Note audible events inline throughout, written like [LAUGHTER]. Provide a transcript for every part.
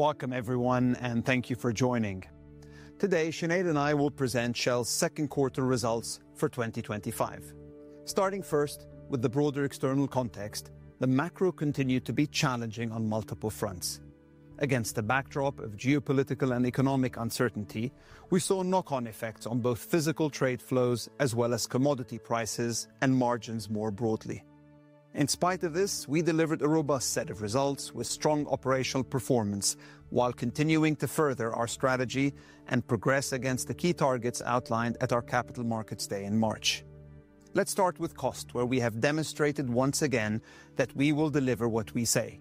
Welcome, everyone, and thank you for joining. Today, Sinead and I will present Shell's second quarter results for 2025. Starting first with the broader external context, the macro continued to be challenging on multiple fronts. Against the backdrop of geopolitical and economic uncertainty, we saw knock-on effects on both physical trade flows as well as commodity prices and margins more broadly. In spite of this, we delivered a robust set of results with strong operational performance while continuing to further our strategy and progress against the key targets outlined at our Capital Markets Day in March. Let's start with cost, where we have demonstrated once again that we will deliver what we say.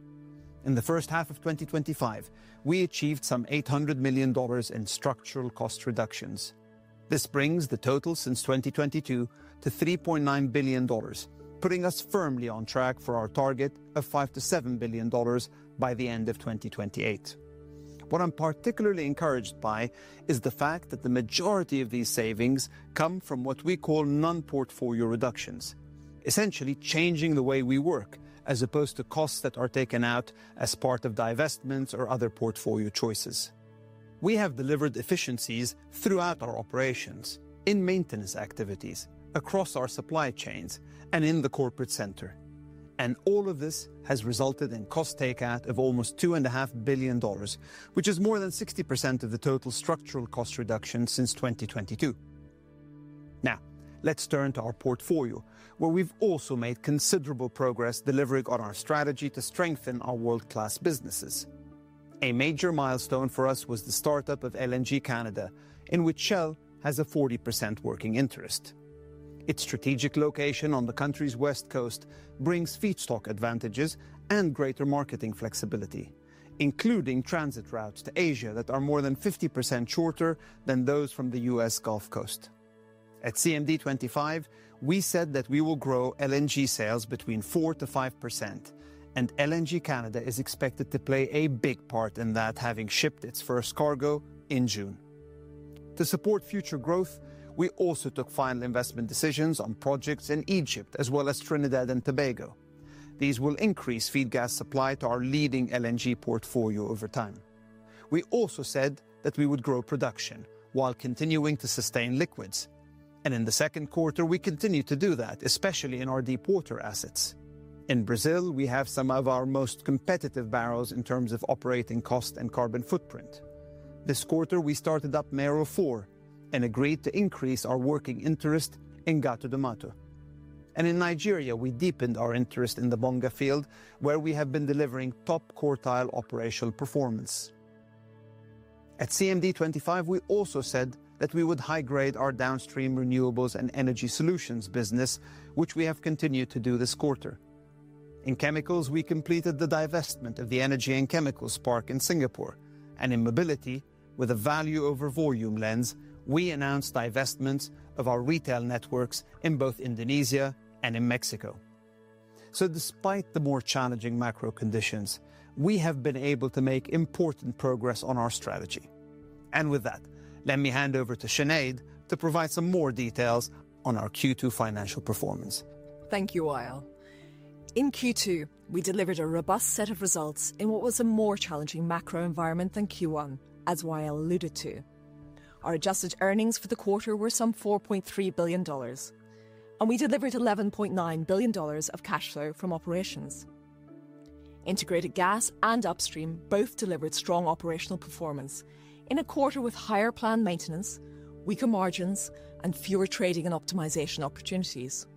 In the first half of 2025, we achieved some $800 million in structural cost reductions. This brings the total since 2022 to $3.9 billion, putting us firmly on track for our target of $5 billion-$7 billion by the end of 2028. What I'm particularly encouraged by is the fact that the majority of these savings come from what we call non-portfolio reductions, essentially changing the way we work as opposed to costs that are taken out as part of divestments or other portfolio choices. We have delivered efficiencies throughout our operations, in maintenance activities, across our supply chains, and in the corporate center. All of this has resulted in cost takeout of almost $2.5 billion, which is more than 60% of the total structural cost reductions since 2022. Now, let's turn to our portfolio, where we've also made considerable progress delivering on our strategy to strengthen our world-class businesses. A major milestone for us was the startup of LNG Canada, in which Shell has a 40% working interest. Its strategic location on the country's west coast brings feedstock advantages and greater marketing flexibility, including transit routes to Asia that are more than 50% shorter than those from the US Gulf Coast. At CMD25, we said that we will grow LNG sales between 4-5%, and LNG Canada is expected to play a big part in that, having shipped its first cargo in June. To support future growth, we also took final investment decisions on projects in Egypt as well as Trinidad and Tobago. These will increase feed gas supply to our leading LNG portfolio over time. We also said that we would grow production while continuing to sustain liquids. In the second quarter, we continue to do that, especially in our deep-water assets. In Brazil, we have some of our most competitive barrels in terms of operating cost and carbon footprint. This quarter, we started up Mero-4 and agreed to increase our working interest in Gato do Mato. In Nigeria, we deepened our interest in the Bonga field, where we have been delivering top quartile operational performance. At CMD25, we also said that we would high-grade our downstream renewables and energy solutions business, which we have continued to do this quarter. In chemicals, we completed the divestment of the energy and chemicals park in Singapore. In mobility, with a value-over-volume lens, we announced divestments of our retail networks in both Indonesia and in Mexico. Despite the more challenging macro conditions, we have been able to make important progress on our strategy. Let me hand over to Sinead to provide some more details on our Q2 financial performance. Than]k you, Wael. In Q2, we delivered a robust set of results in what was a more challenging macro environment than Q1, as Wael alluded to. Our adjusted earnings for the quarter were some $4.3 billion, and we delivered $11.9 billion of cash flow from operations. Integrated gas and upstream both delivered strong operational performance in a quarter with higher planned maintenance, weaker margins, and fewer trading and optimization opportunities.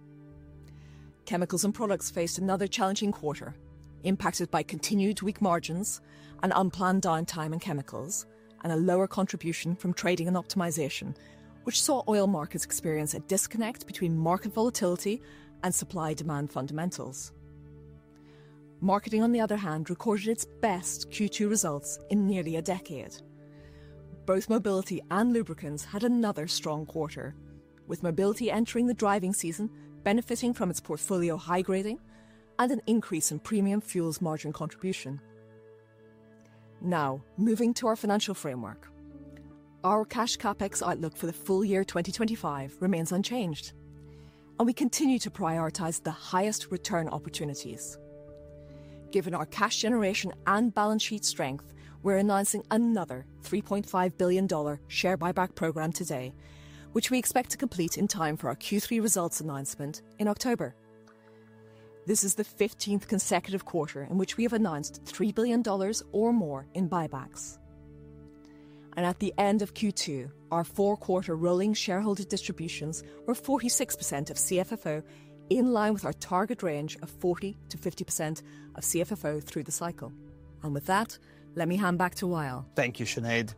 Chemicals and products faced another challenging quarter, impacted by continued weak margins, an unplanned downtime in chemicals, and a lower contribution from trading and optimization, which saw oil markets experience a disconnect between market volatility and supply-demand fundamentals. Marketing, on the other hand, recorded its best Q2 results in nearly a decade. Both Mobility and Lubricants had another strong quarter, with Mobility entering the driving season, benefiting from its portfolio high-grading and an increase in premium fuels margin contribution. Now, moving to our financial framework, our cash CapEx outlook for the full year 2025 remains unchanged, and we continue to prioritize the highest return opportunities. Given our cash generation and balance sheet strength, we're announcing another $3.5 billion share buyback program today, which we expect to complete in time for our Q3 results announcement in October. This is the 15th consecutive quarter in which we have announced $3 billion or more in buybacks. At the end of Q2, our 4-quarter rolling shareholder distributions were 46% of CFFO, in line with our target range of 40%-50% of CFFO through the cycle. With that, let me hand back to Wael. Thank you, Sinead.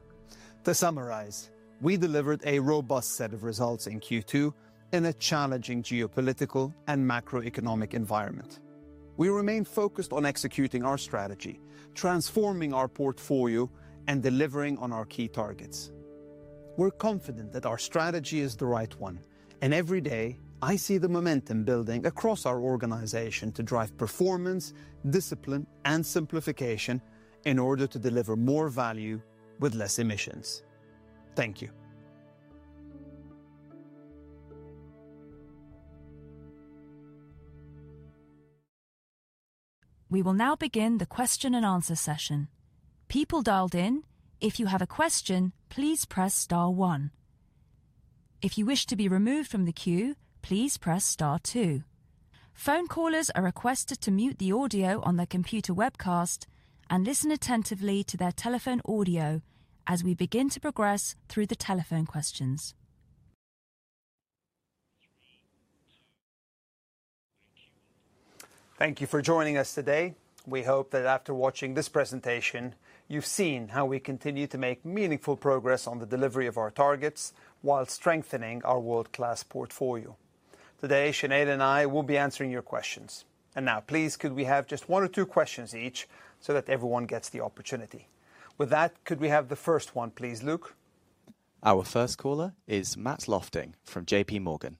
To summarize, we delivered a robust set of results in Q2 in a challenging geopolitical and macroeconomic environment. We remain focused on executing our strategy, transforming our portfolio, and delivering on our key targets. We're confident that our strategy is the right one, and every day I see the momentum building across our organization to drive performance, discipline, and simplification in order to deliver more value with less emissions. Thank you. We will now begin the question and answer session. People dialed in, if you have a question, please press star one. If you wish to be removed from the queue, please press star two. Phone callers are requested to mute the audio on their computer webcast and listen attentively to their telephone audio as we begin to progress through the telephone questions. Thank you for joining us today. We hope that after watching this presentation, you've seen how we continue to make meaningful progress on the delivery of our targets while strengthening our world-class portfolio. Today, Sinead and I will be answering your questions. Please, could we have just one or two questions each so that everyone gets the opportunity? With that, could we have the first one, please, Luke? Our first caller is Matt Lofting from JP Morgan.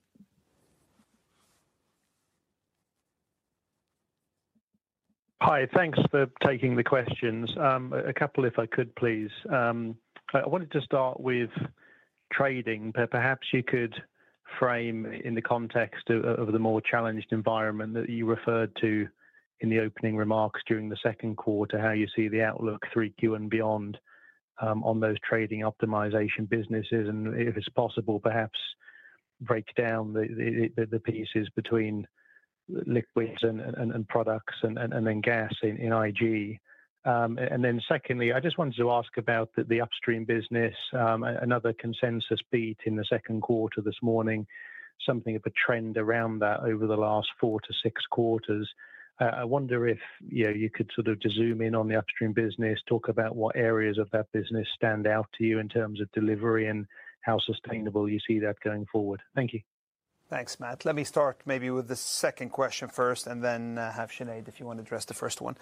Hi, thanks for taking the questions. A couple, if I could, please. I wanted to start with trading. Perhaps you could frame in the context of the more challenged environment that you referred to in the opening remarks during the second quarter, how you see the outlook 3Q and beyond on those trading optimization businesses. If it's possible, perhaps break down the pieces between liquids and products and then gas in IG. Secondly, I just wanted to ask about the upstream business, another consensus beat in the second quarter this morning, something of a trend around that over the last four to six quarters. I wonder if you could sort of zoom in on the upstream business, talk about what areas of that business stand out to you in terms of delivery and how sustainable you see that going forward. Thank you. Thanks, Matt. Let me start maybe with the second question first, and then have Sinead, if you want to address the first one.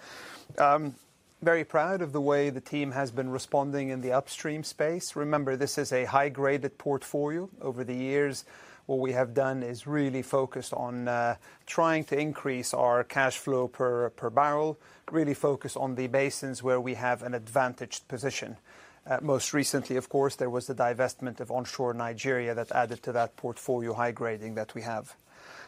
Very proud of the way the team has been responding in the upstream space. Remember, this is a high-graded portfolio. Over the years, what we have done is really focused on trying to increase our cash flow per barrel, really focused on the basins where we have an advantaged position. Most recently, of course, there was the divestment of onshore Nigeria that added to that portfolio high grading that we have.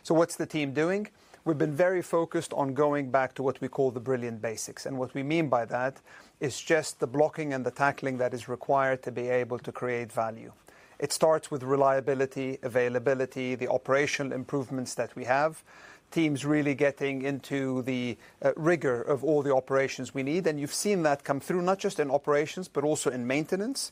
What is the team doing? We have been very focused on going back to what we call the brilliant basics. What we mean by that is just the blocking and the tackling that is required to be able to create value. It starts with reliability, availability, the operational improvements that we have, teams really getting into the rigor of all the operations we need. You have seen that come through not just in operations, but also in maintenance.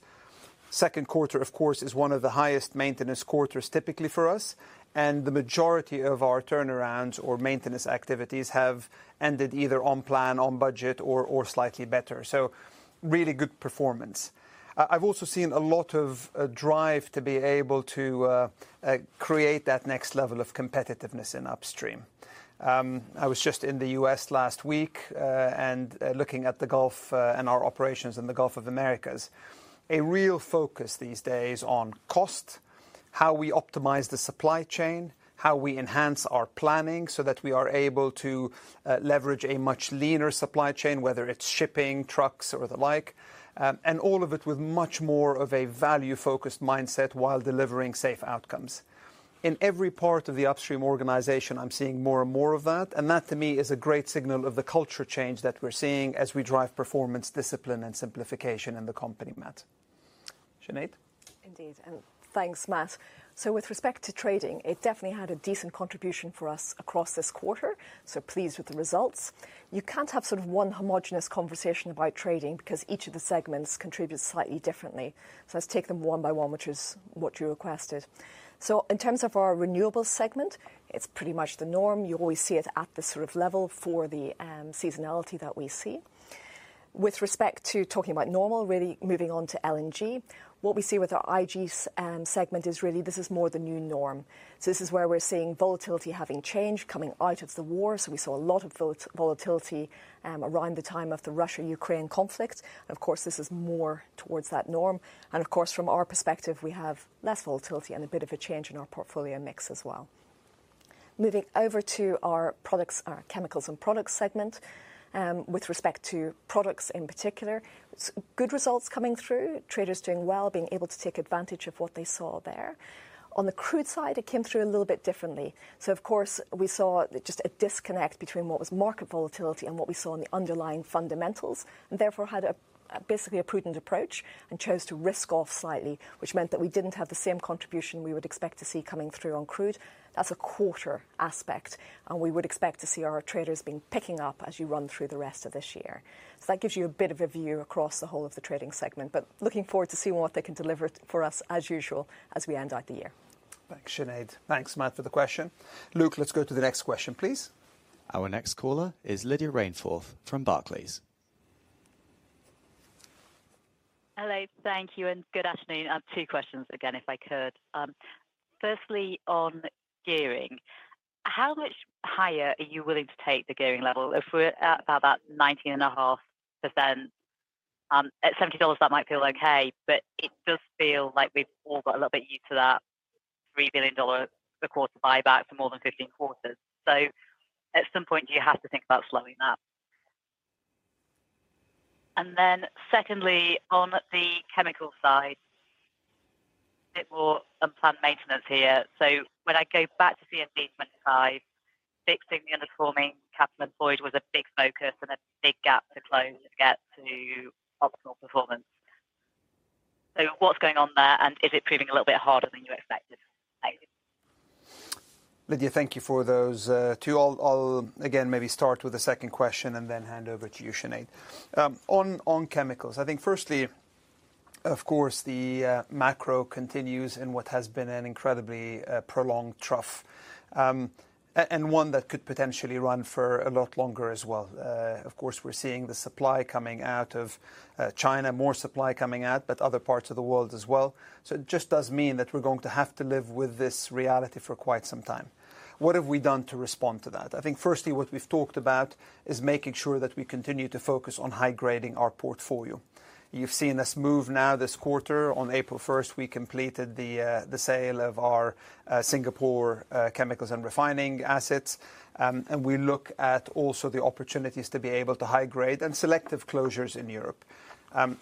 Second quarter, of course, is one of the highest maintenance quarters typically for us. The majority of our turnarounds or maintenance activities have ended either on plan, on budget, or slightly better. Really good performance. I have also seen a lot of drive to be able to create that next level of competitiveness in upstream. I was just in the U.S. last week and looking at the Gulf and our operations in the Gulf of Americas. A real focus these days on cost, how we optimize the supply chain, how we enhance our planning so that we are able to leverage a much leaner supply chain, whether it is shipping, trucks, or the like, and all of it with much more of a value-focused mindset while delivering safe outcomes. In every part of the upstream organization, I am seeing more and more of that. That, to me, is a great signal of the culture change that we are seeing as we drive performance, discipline, and simplification in the company, Matt. Sinead? Indeed. Thanks, Matt. With respect to trading, it definitely had a decent contribution for us across this quarter. Pleased with the results. You cannot have one homogenous conversation about trading because each of the segments contributes slightly differently. Let's take them one by one, which is what you requested. In terms of our renewables segment, it is pretty much the norm. You always see it at this level for the seasonality that we see. With respect to talking about normal, really moving on to LNG, what we see with our IG segment is really this is more the new norm. This is where we are seeing volatility having changed coming out of the war. We saw a lot of volatility around the time of the Russia-Ukraine conflict. Of course, this is more towards that norm. Of course, from our perspective, we have less volatility and a bit of a change in our portfolio mix as well. Moving over to our products, our chemicals and products segment, with respect to products in particular, good results coming through, traders doing well, being able to take advantage of what they saw there. On the crude side, it came through a little bit differently. Of course, we saw just a disconnect between what was market volatility and what we saw in the underlying fundamentals, and therefore had basically a prudent approach and chose to risk off slightly, which meant that we did not have the same contribution we would expect to see coming through on crude as a quarter aspect. We would expect to see our traders being picking up as you run through the rest of this year. That gives you a bit of a view across the whole of the trading segment, but looking forward to seeing what they can deliver for us as usual as we end out the year. Thanks, Sinead. Thanks, Matt, for the question. Luke, let's go to the next question, please. Our next caller is Lydia Rainforth from Barclays. Hello, thank you, and good afternoon. Two questions again, if I could. Firstly, on gearing, how much higher are you willing to take the gearing level if we're at about 19.5%? At $70, that might feel okay, but it does feel like we've all got a little bit used to that $3 billion a quarter buyback for more than 15 quarters. At some point, you have to think about slowing that. Secondly, on the chemical side, a bit more unplanned maintenance here. When I go back to CMD25, fixing the underperforming cap and employed was a big focus and a big gap to close to get to optimal performance. What's going on there, and is it proving a little bit harder than you expected? Lydia, thank you for those two. I'll again maybe start with the second question and then hand over to you, Sinead. On chemicals, I think firstly, of course, the macro continues in what has been an incredibly prolonged trough and one that could potentially run for a lot longer as well. Of course, we're seeing the supply coming out of China, more supply coming out, but other parts of the world as well. It just does mean that we're going to have to live with this reality for quite some time. What have we done to respond to that? I think firstly, what we've talked about is making sure that we continue to focus on high grading our portfolio. You've seen us move now this quarter. On April 1, we completed the sale of our Singapore chemicals and refining assets. We look at also the opportunities to be able to high grade and selective closures in Europe.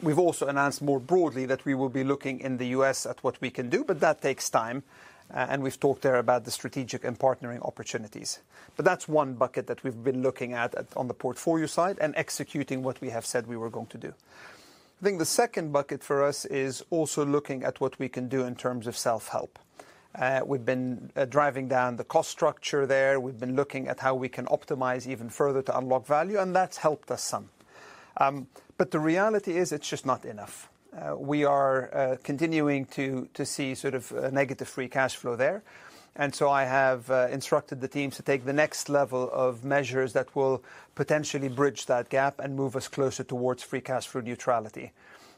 We have also announced more broadly that we will be looking in the U.S. at what we can do, but that takes time. We have talked there about the strategic and partnering opportunities. That is one bucket that we have been looking at on the portfolio side and executing what we have said we were going to do. I think the second bucket for us is also looking at what we can do in terms of self-help. We have been driving down the cost structure there. We have been looking at how we can optimize even further to unlock value, and that has helped us some. The reality is it is just not enough. We are continuing to see sort of negative free cash flow there. I have instructed the teams to take the next level of measures that will potentially bridge that gap and move us closer towards free cash flow neutrality.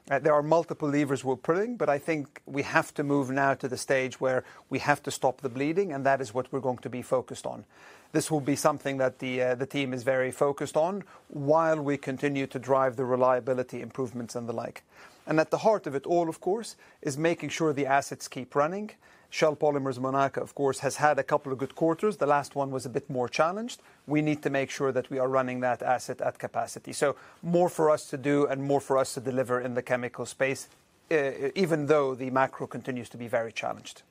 There are multiple levers we're pulling, but I think we have to move now to the stage where we have to stop the bleeding, and that is what we're going to be focused on. This will be something that the team is very focused on while we continue to drive the reliability improvements and the like. At the heart of it all, of course, is making sure the assets keep running. Shell Polymers Monaca, of course, has had a couple of good quarters. The last one was a bit more challenged. We need to make sure that we are running that asset at capacity. More for us to do and more for us to deliver in the chemical space, even though the macro continues to be very challenged.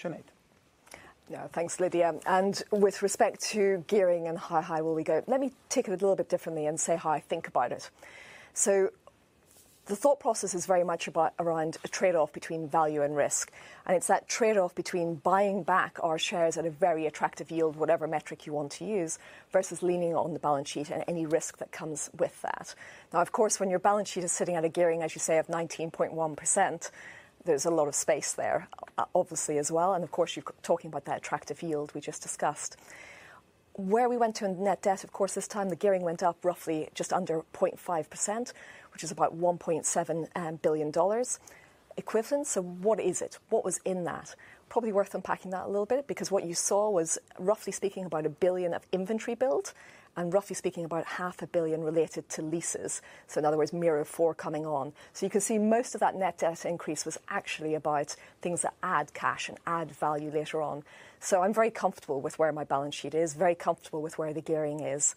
Sinead. Yeah, thanks, Lydia. With respect to gearing and how high will we go, let me take it a little bit differently and say how I think about it. The thought process is very much around a trade-off between value and risk. It is that trade-off between buying back our shares at a very attractive yield, whatever metric you want to use, versus leaning on the balance sheet and any risk that comes with that. Now, of course, when your balance sheet is sitting at a gearing, as you say, of 19.1%, there is a lot of space there, obviously, as well. Of course, you are talking about that attractive yield we just discussed. Where we went to in net debt, of course, this time the gearing went up roughly just under 0.5%, which is about $1.7 billion equivalent. What is it? What was in that? Probably worth unpacking that a little bit because what you saw was, roughly speaking, about $1 billion of inventory built and, roughly speaking, about $500 million related to leases. In other words, Mero-4 coming on. You can see most of that net debt increase was actually about things that add cash and add value later on. I am very comfortable with where my balance sheet is, very comfortable with where the gearing is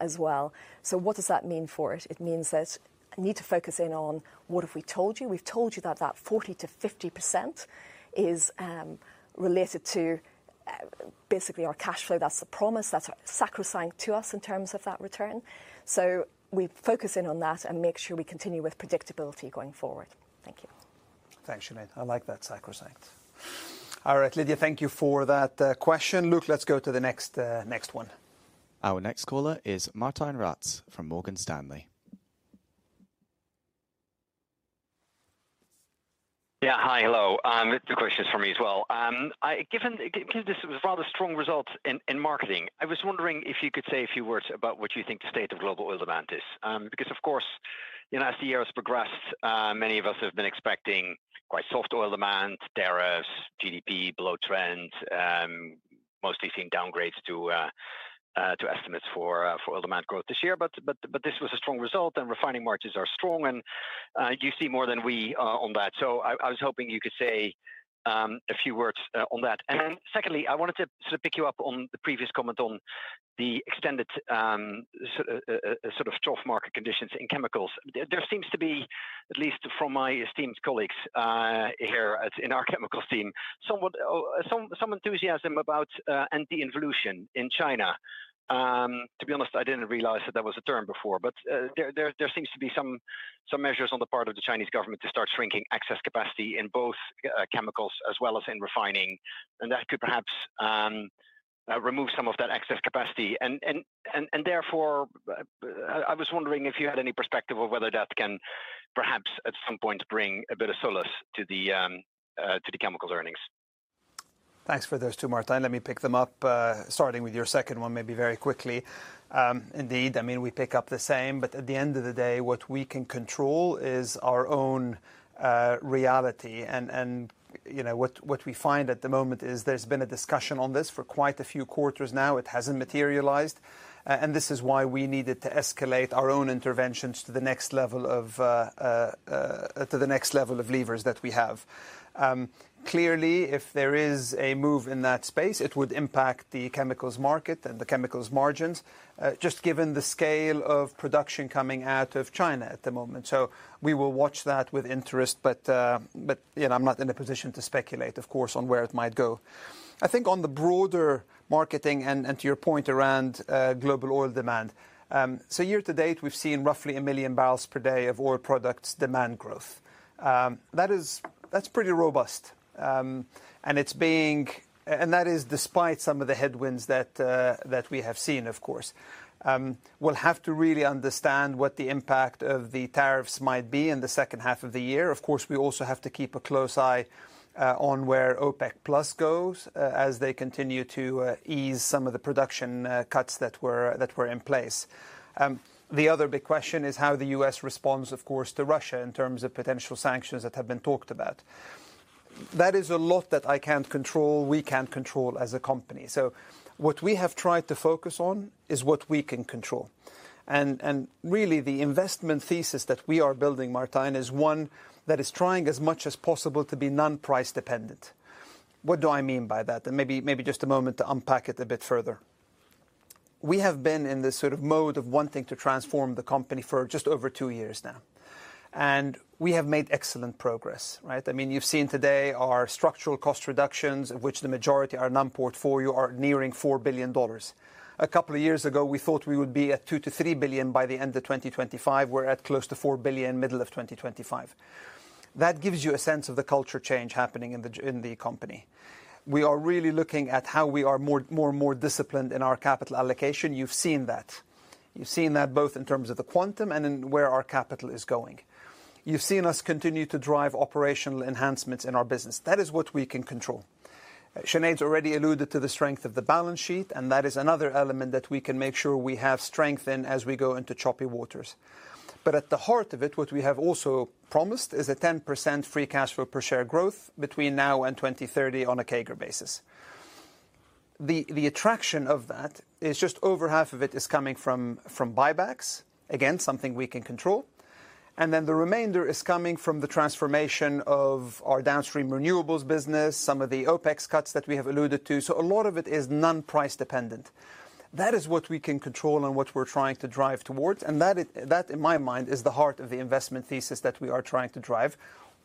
as well. What does that mean for us? It means that I need to focus in on what have we told you. We have told you that that 40%-50% is related to basically our cash flow. That is the promise that is sacrosanct to us in terms of that return. We focus in on that and make sure we continue with predictability going forward. Thank you. Thanks, Sinead. I like that sacrosanct. All right, Lydia, thank you for that question. Luke, let's go to the next one. Our next caller is Martin Rats from Morgan Stanley. Yeah, hi, hello. The question is for me as well. Given this was a rather strong result in marketing, I was wondering if you could say a few words about what you think the state of global oil demand is because, of course, as the years progressed, many of us have been expecting quite soft oil demand, tariffs, GDP below trend, mostly seeing downgrades to estimates for oil demand growth this year. This was a strong result and refining margins are strong and you see more than we on that. I was hoping you could say a few words on that. Secondly, I wanted to sort of pick you up on the previous comment on the extended sort of trough market conditions in chemicals. There seems to be, at least from my esteemed colleagues here in our chemicals team, some enthusiasm about anti-involution in China. To be honest, I did not realize that that was a term before, but there seems to be some measures on the part of the Chinese government to start shrinking excess capacity in both chemicals as well as in refining. That could perhaps remove some of that excess capacity. Therefore, I was wondering if you had any perspective of whether that can perhaps at some point bring a bit of solace to the chemicals earnings. Thanks for those two, Martijn. Let me pick them up, starting with your second one maybe very quickly. Indeed, I mean, we pick up the same, but at the end of the day, what we can control is our own reality. And what we find at the moment is there's been a discussion on this for quite a few quarters now. It has not materialized. This is why we needed to escalate our own interventions to the next level of levers that we have. Clearly, if there is a move in that space, it would impact the chemicals market and the chemicals margins, just given the scale of production coming out of China at the moment. We will watch that with interest, but I'm not in a position to speculate, of course, on where it might go. I think on the broader marketing and to your point around global oil demand, so year to date, we've seen roughly 1 million barrels per day of oil products demand growth. That's pretty robust. That is despite some of the headwinds that we have seen, of course. We'll have to really understand what the impact of the tariffs might be in the second half of the year. Of course, we also have to keep a close eye on where OPEC+ goes as they continue to ease some of the production cuts that were in place. The other big question is how the U.S. responds, of course, to Russia in terms of potential sanctions that have been talked about. That is a lot that I can't control, we can't control as a company. What we have tried to focus on is what we can control. Really, the investment thesis that we are building, Martijn, is one that is trying as much as possible to be non-price dependent. What do I mean by that? Maybe just a moment to unpack it a bit further. We have been in this sort of mode of wanting to transform the company for just over two years now. We have made excellent progress, right? I mean, you have seen today our structural cost reductions, of which the majority are non-portfolio, are nearing $4 billion. A couple of years ago, we thought we would be at $2 billion-$3 billion by the end of 2025. We are at close to $4 billion middle of 2025. That gives you a sense of the culture change happening in the company. We are really looking at how we are more and more disciplined in our capital allocation. You have seen that. You've seen that both in terms of the quantum and in where our capital is going. You've seen us continue to drive operational enhancements in our business. That is what we can control. Sinead's already alluded to the strength of the balance sheet, and that is another element that we can make sure we have strength in as we go into choppy waters. At the heart of it, what we have also promised is a 10% free cash flow per share growth between now and 2030 on a CAGR basis. The attraction of that is just over half of it is coming from buybacks, again, something we can control. The remainder is coming from the transformation of our downstream renewables business, some of the OpEx cuts that we have alluded to. A lot of it is non-price dependent. That is what we can control and what we're trying to drive towards. That, in my mind, is the heart of the investment thesis that we are trying to drive,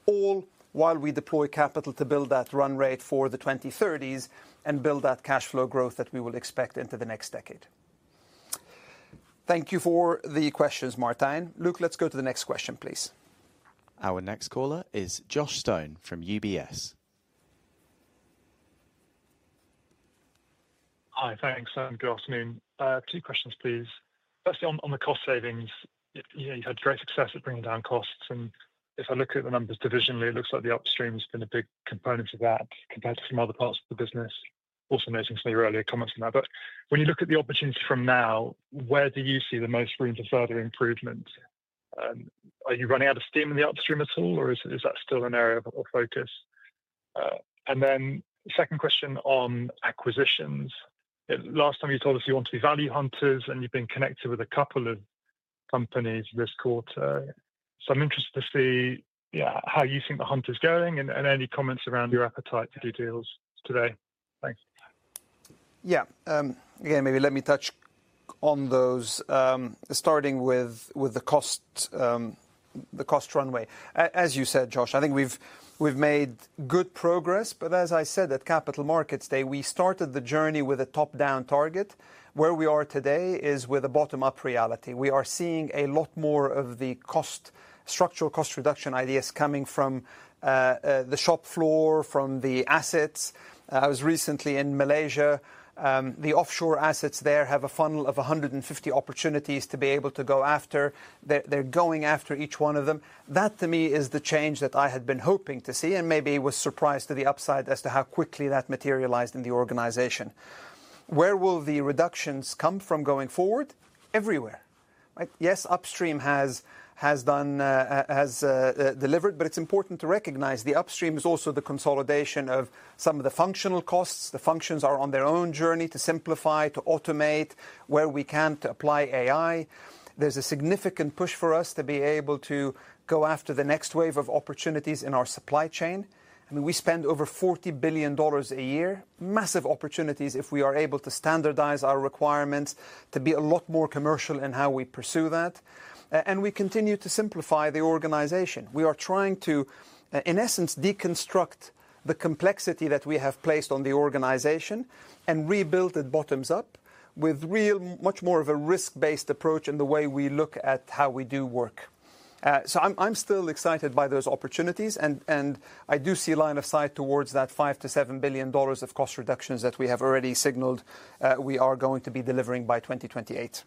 all while we deploy capital to build that run rate for the 2030s and build that cash flow growth that we will expect into the next decade. Thank you for the questions, Martijn. Luke, let's go to the next question, please. Our next caller is Josh Stone from UBS. Hi, thanks, and good afternoon. Two questions, please. Firstly, on the cost savings, you've had great success at bringing down costs. If I look at the numbers divisionally, it looks like the upstream has been a big component of that compared to some other parts of the business. Also noting some of your earlier comments on that. When you look at the opportunity from now, where do you see the most room for further improvement? Are you running out of steam in the upstream at all, or is that still an area of focus? Second question on acquisitions. Last time you told us you want to be value hunters, and you've been connected with a couple of companies this quarter. I'm interested to see how you think the hunt is going and any comments around your appetite to do deals today. Thanks. Yeah, again, maybe let me touch on those, starting with the cost runway. As you said, Josh, I think we've made good progress. As I said at Capital Markets Day, we started the journey with a top-down target. Where we are today is with a bottom-up reality. We are seeing a lot more of the structural cost reduction ideas coming from the shop floor, from the assets. I was recently in Malaysia. The offshore assets there have a funnel of 150 opportunities to be able to go after. They're going after each one of them. That, to me, is the change that I had been hoping to see and maybe was surprised to the upside as to how quickly that materialized in the organization. Where will the reductions come from going forward? Everywhere. Yes, upstream has delivered, but it's important to recognize the upstream is also the consolidation of some of the functional costs. The functions are on their own journey to simplify, to automate where we can, to apply AI. There's a significant push for us to be able to go after the next wave of opportunities in our supply chain. I mean, we spend over $40 billion a year, massive opportunities if we are able to standardize our requirements to be a lot more commercial in how we pursue that. We continue to simplify the organization. We are trying to, in essence, deconstruct the complexity that we have placed on the organization and rebuild it bottoms up with real, much more of a risk-based approach in the way we look at how we do work. I'm still excited by those opportunities, and I do see a line of sight towards that $5 billion-$7 billion of cost reductions that we have already signaled we are going to be delivering by 2028.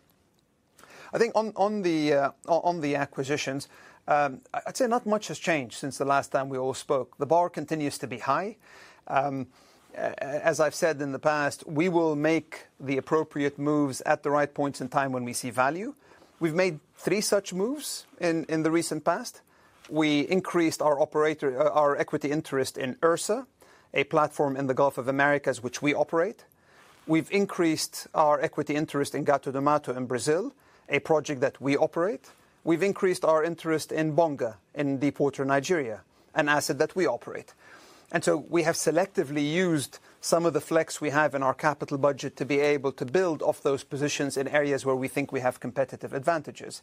I think on the acquisitions, I'd say not much has changed since the last time we all spoke. The bar continues to be high. As I've said in the past, we will make the appropriate moves at the right points in time when we see value. We've made three such moves in the recent past. We increased our equity interest in Ursa, a platform in the Gulf of Americas which we operate. We've increased our equity interest in Gato do Mato in Brazil, a project that we operate. We've increased our interest in Bonga in Deepwater, Nigeria, an asset that we operate. We have selectively used some of the flex we have in our capital budget to be able to build off those positions in areas where we think we have competitive advantages.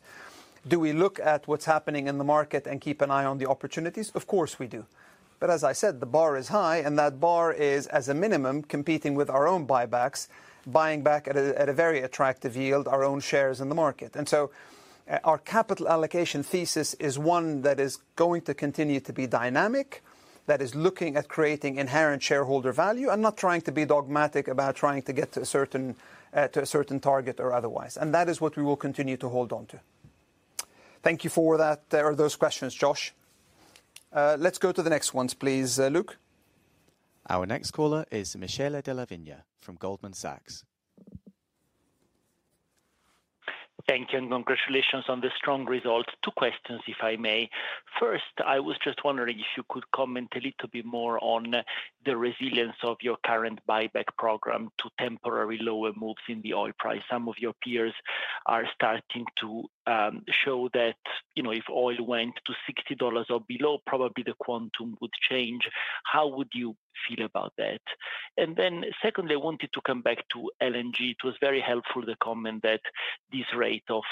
Do we look at what is happening in the market and keep an eye on the opportunities? Of course we do. As I said, the bar is high, and that bar is, as a minimum, competing with our own buybacks, buying back at a very attractive yield our own shares in the market. Our capital allocation thesis is one that is going to continue to be dynamic, that is looking at creating inherent shareholder value and not trying to be dogmatic about trying to get to a certain target or otherwise. That is what we will continue to hold on to. Thank you for those questions, Josh. Let's go to the next ones, please, Luke. Our next caller is Michele Della Vigna from Goldman Sachs. Thank you and congratulations on the strong result. Two questions, if I may. First, I was just wondering if you could comment a little bit more on the resilience of your current buyback program to temporary lower moves in the oil price. Some of your peers are starting to show that if oil went to $60 or below, probably the quantum would change. How would you feel about that? Secondly, I wanted to come back to LNG. It was very helpful the comment that this rate of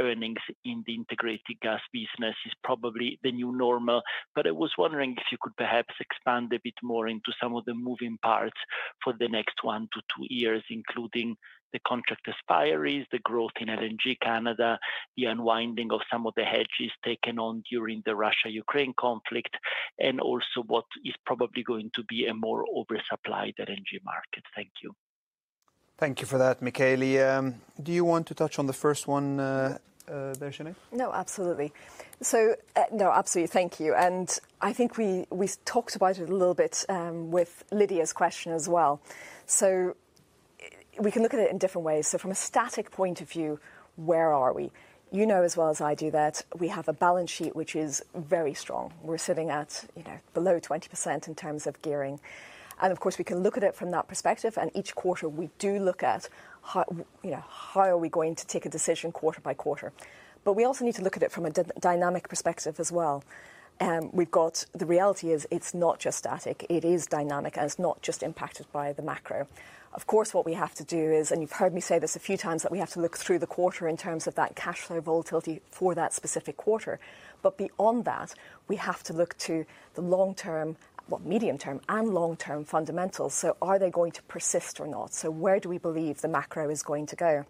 earnings in the integrated gas business is probably the new normal. I was wondering if you could perhaps expand a bit more into some of the moving parts for the next one to two years, including the contract expiries, the growth in LNG Canada, the unwinding of some of the hedges taken on during the Russia-Ukraine conflict, and also what is probably going to be a more oversupplied LNG market. Thank you. Thank you for that, Michele. Do you want to touch on the first one there, Sinead? No, absolutely. No, absolutely, thank you. I think we talked about it a little bit with Lydia's question as well. We can look at it in different ways. From a static point of view, where are we? You know as well as I do that we have a balance sheet which is very strong. We are sitting at below 20% in terms of gearing. Of course, we can look at it from that perspective. Each quarter, we do look at how we are going to take a decision quarter by quarter. We also need to look at it from a dynamic perspective as well. The reality is it is not just static. It is dynamic, and it is not just impacted by the macro. Of course, what we have to do is, and you've heard me say this a few times, that we have to look through the quarter in terms of that cash flow volatility for that specific quarter. Beyond that, we have to look to the long-term, well, medium-term and long-term fundamentals. Are they going to persist or not? Where do we believe the macro is going to go?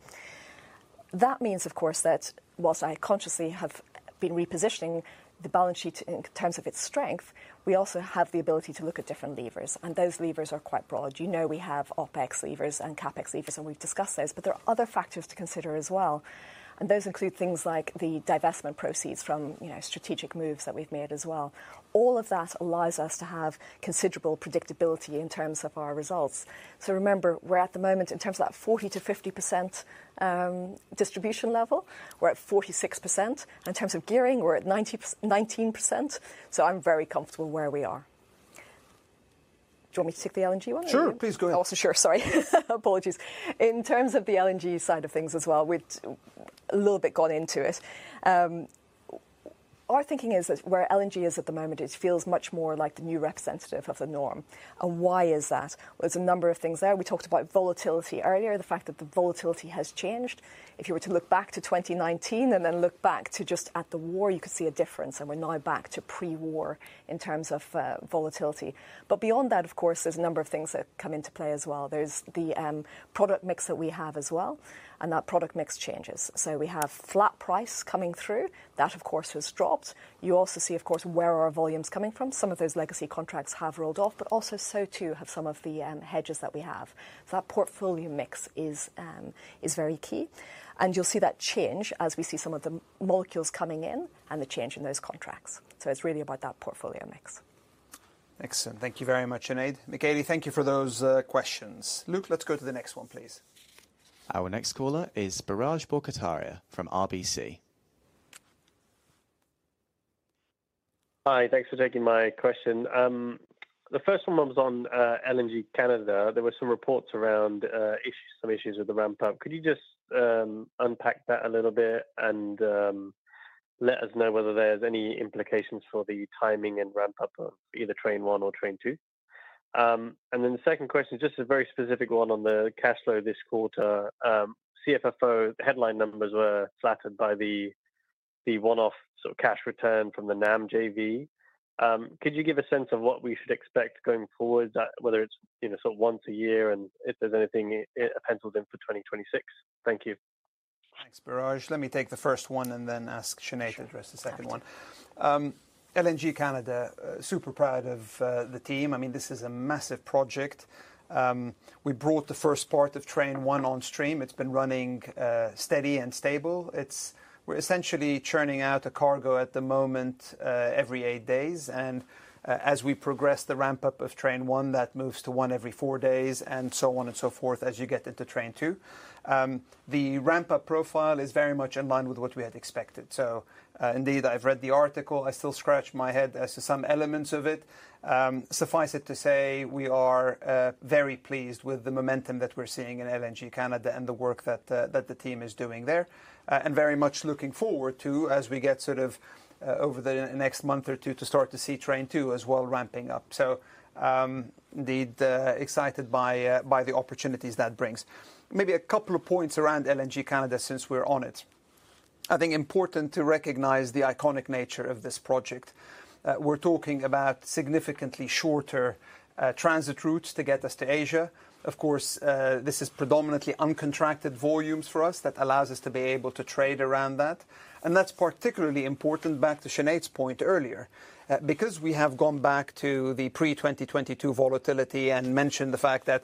That means, of course, that whilst I consciously have been repositioning the balance sheet in terms of its strength, we also have the ability to look at different levers. Those levers are quite broad. You know we have OpEx levers and CapEx levers, and we've discussed those. There are other factors to consider as well. Those include things like the divestment proceeds from strategic moves that we've made as well. All of that allows us to have considerable predictability in terms of our results. Remember, we're at the moment in terms of that 40-50% distribution level, we're at 46%. In terms of gearing, we're at 19%. I'm very comfortable where we are. Do you want me to take the LNG one? Sure, please go ahead. Oh, sure, sorry. Apologies. In terms of the LNG side of things as well, we've a little bit gone into it. Our thinking is that where LNG is at the moment, it feels much more like the new representative of the norm. Why is that? There are a number of things there. We talked about volatility earlier, the fact that the volatility has changed. If you were to look back to 2019 and then look back to just at the war, you could see a difference. We are now back to pre-war in terms of volatility. Beyond that, of course, there are a number of things that come into play as well. There is the product mix that we have as well, and that product mix changes. We have flat price coming through. That, of course, has dropped. You also see, of course, where our volumes are coming from. Some of those legacy contracts have rolled off, but also so too have some of the hedges that we have. That portfolio mix is very key. You will see that change as we see some of the molecules coming in and the change in those contracts. It is really about that portfolio mix. Excellent. Thank you very much, Sinead. Michele, thank you for those questions. Luke, let's go to the next one, please. Our next caller is Biraj Borkhataria from RBC. Hi, thanks for taking my question. The first one was on LNG Canada. There were some reports around some issues with the ramp-up. Could you just unpack that a little bit and let us know whether there's any implications for the timing and ramp-up of either train one or train two? The second question is just a very specific one on the cash flow this quarter. CFFO headline numbers were flattered by the one-off sort of cash return from the NAM JV. Could you give a sense of what we should expect going forward, whether it's sort of once a year and if there's anything penciled in for 2026? Thank you. Thanks, Biraj. Let me take the first one and then ask Sinead to address the second one. LNG Canada, super proud of the team. I mean, this is a massive project. We brought the first part of train one on stream. It's been running steady and stable. We're essentially churning out a cargo at the moment every eight days. As we progress the ramp-up of train one, that moves to one every four days and so on and so forth as you get into train two. The ramp-up profile is very much in line with what we had expected. Indeed, I've read the article. I still scratch my head as to some elements of it. Suffice it to say, we are very pleased with the momentum that we're seeing in LNG Canada and the work that the team is doing there. Very much looking forward to, as we get sort of over the next month or two, to start to see train two as well ramping up. Indeed, excited by the opportunities that brings. Maybe a couple of points around LNG Canada since we're on it. I think important to recognize the iconic nature of this project. We're talking about significantly shorter transit routes to get us to Asia. Of course, this is predominantly uncontracted volumes for us that allows us to be able to trade around that. That's particularly important back to Sinead's point earlier. Because we have gone back to the pre-2022 volatility and mentioned the fact that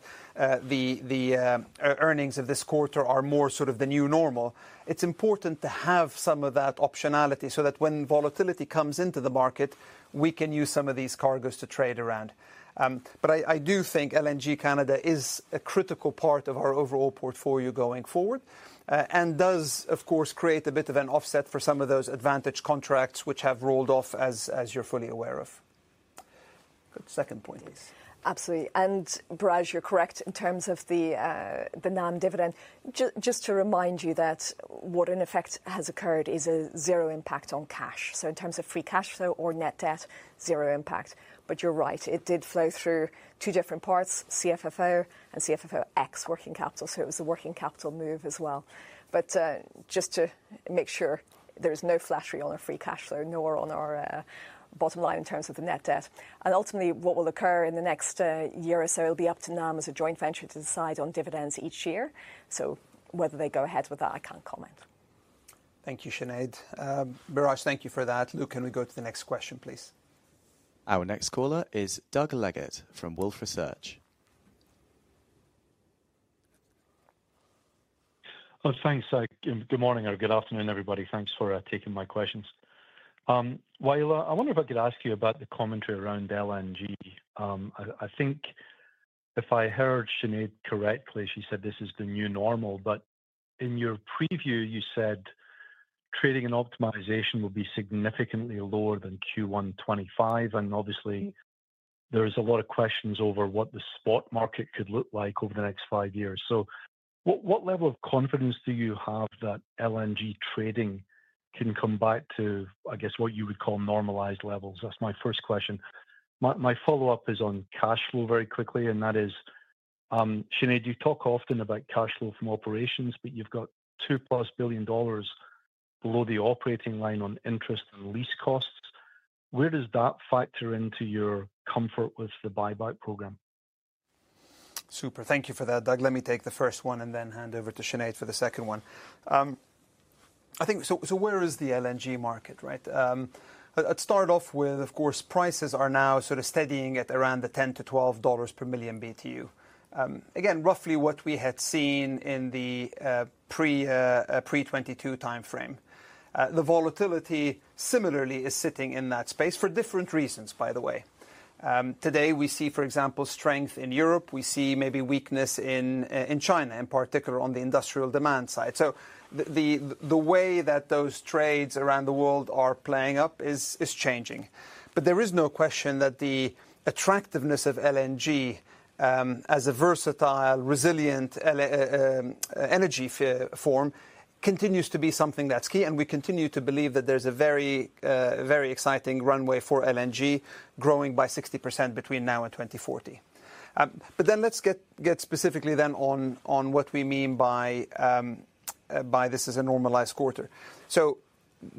the earnings of this quarter are more sort of the new normal, it's important to have some of that optionality so that when volatility comes into the market, we can use some of these cargoes to trade around. I do think LNG Canada is a critical part of our overall portfolio going forward and does, of course, create a bit of an offset for some of those advantage contracts which have rolled off as you're fully aware of. Good. Second point, please. Absolutely. Biraj, you're correct in terms of the NAM dividend. Just to remind you that what in effect has occurred is a zero impact on cash. In terms of free cash flow or net debt, zero impact. You're right, it did flow through two different parts, CFFO and CFFO ex working capital. It was a working capital move as well. Just to make sure there's no flattery on our free cash flow, nor on our bottom line in terms of the net debt. Ultimately, what will occur in the next year or so will be up to NAM as a joint venture to decide on dividends each year. Whether they go ahead with that, I can't comment. Thank you, Sinead. Biraj, thank you for that. Luke, can we go to the next question, please? Our next caller is Doug Leggate from Wolfe Research. Oh, thanks. Good morning or good afternoon, everybody. Thanks for taking my questions. Wael, I wonder if I could ask you about the commentary around LNG. I think if I heard Sinead correctly, she said this is the new normal. In your preview, you said trading and optimization will be significantly lower than Q1 2025. Obviously, there is a lot of questions over what the spot market could look like over the next five years. What level of confidence do you have that LNG trading can come back to, I guess, what you would call normalized levels? That's my first question. My follow-up is on cash flow very quickly, and that is, Sinead, you talk often about cash flow from operations, but you've got $2+ billion below the operating line on interest and lease costs. Where does that factor into your comfort with the buyback program? Super. Thank you for that. Doug, let me take the first one and then hand over to Sinead for the second one. Where is the LNG market? I'd start off with, of course, prices are now sort of steadying at around the $10-$12 per million BTU. Again, roughly what we had seen in the pre-2022 timeframe. The volatility similarly is sitting in that space for different reasons, by the way. Today, we see, for example, strength in Europe. We see maybe weakness in China, in particular on the industrial demand side. The way that those trades around the world are playing up is changing. There is no question that the attractiveness of LNG as a versatile, resilient energy form continues to be something that's key. We continue to believe that there's a very exciting runway for LNG growing by 60% between now and 2040. Let's get specifically then on what we mean by this is a normalized quarter.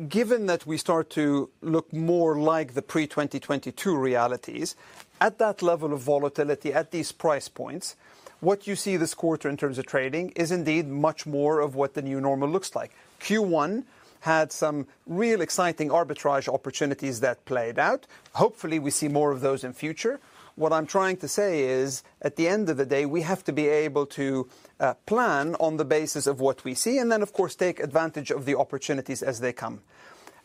Given that we start to look more like the pre-2022 realities, at that level of volatility at these price points, what you see this quarter in terms of trading is indeed much more of what the new normal looks like. Q1 had some real exciting arbitrage opportunities that played out. Hopefully, we see more of those in future. What I'm trying to say is, at the end of the day, we have to be able to plan on the basis of what we see and then, of course, take advantage of the opportunities as they come.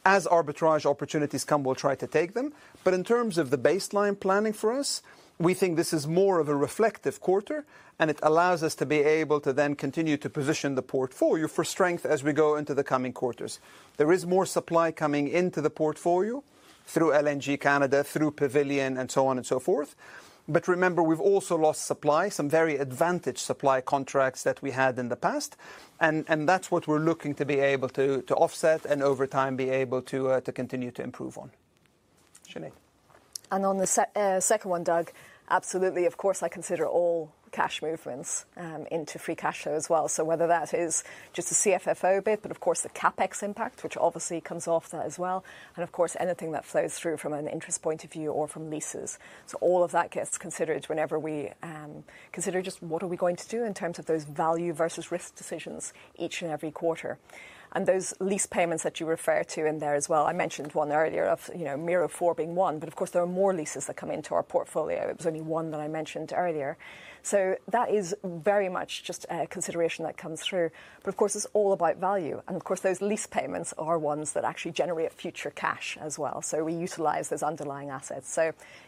As arbitrage opportunities come, we'll try to take them. In terms of the baseline planning for us, we think this is more of a reflective quarter, and it allows us to be able to then continue to position the portfolio for strength as we go into the coming quarters. There is more supply coming into the portfolio through LNG Canada, through Pavilion, and so on and so forth. Remember, we've also lost supply, some very advantaged supply contracts that we had in the past. That is what we're looking to be able to offset and over time be able to continue to improve on. Sinead. On the second one, Doug, absolutely. Of course, I consider all cash movements into free cash flow as well. Whether that is just a CFFO bit, but of course, the CapEx impact, which obviously comes off that as well. Of course, anything that flows through from an interest point of view or from leases. All of that gets considered whenever we consider just what are we going to do in terms of those value versus risk decisions each and every quarter. Those lease payments that you refer to in there as well. I mentioned one earlier of Mero-4 being one, but of course, there are more leases that come into our portfolio. It was only one that I mentioned earlier. That is very much just a consideration that comes through. Of course, it is all about value. Of course, those lease payments are ones that actually generate future cash as well. We utilize those underlying assets.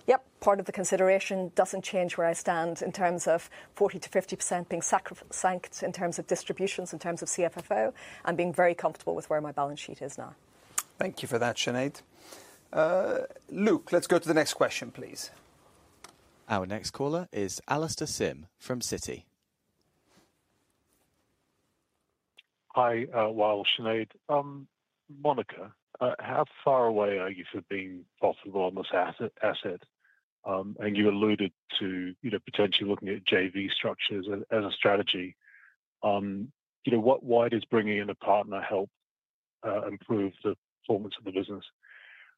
Yep, part of the consideration does not change where I stand in terms of 40%-50% being sank in terms of distributions, in terms of CFFO, and being very comfortable with where my balance sheet is now. Thank you for that, Sinead. Luke, let's go to the next question, please. Our next caller is Alastair Syme from Citi. Hi, Wael, Sinead. Monaca, how far away are you from being profitable on this asset? You alluded to potentially looking at JV structures as a strategy. Why does bringing in a partner help improve the performance of the business?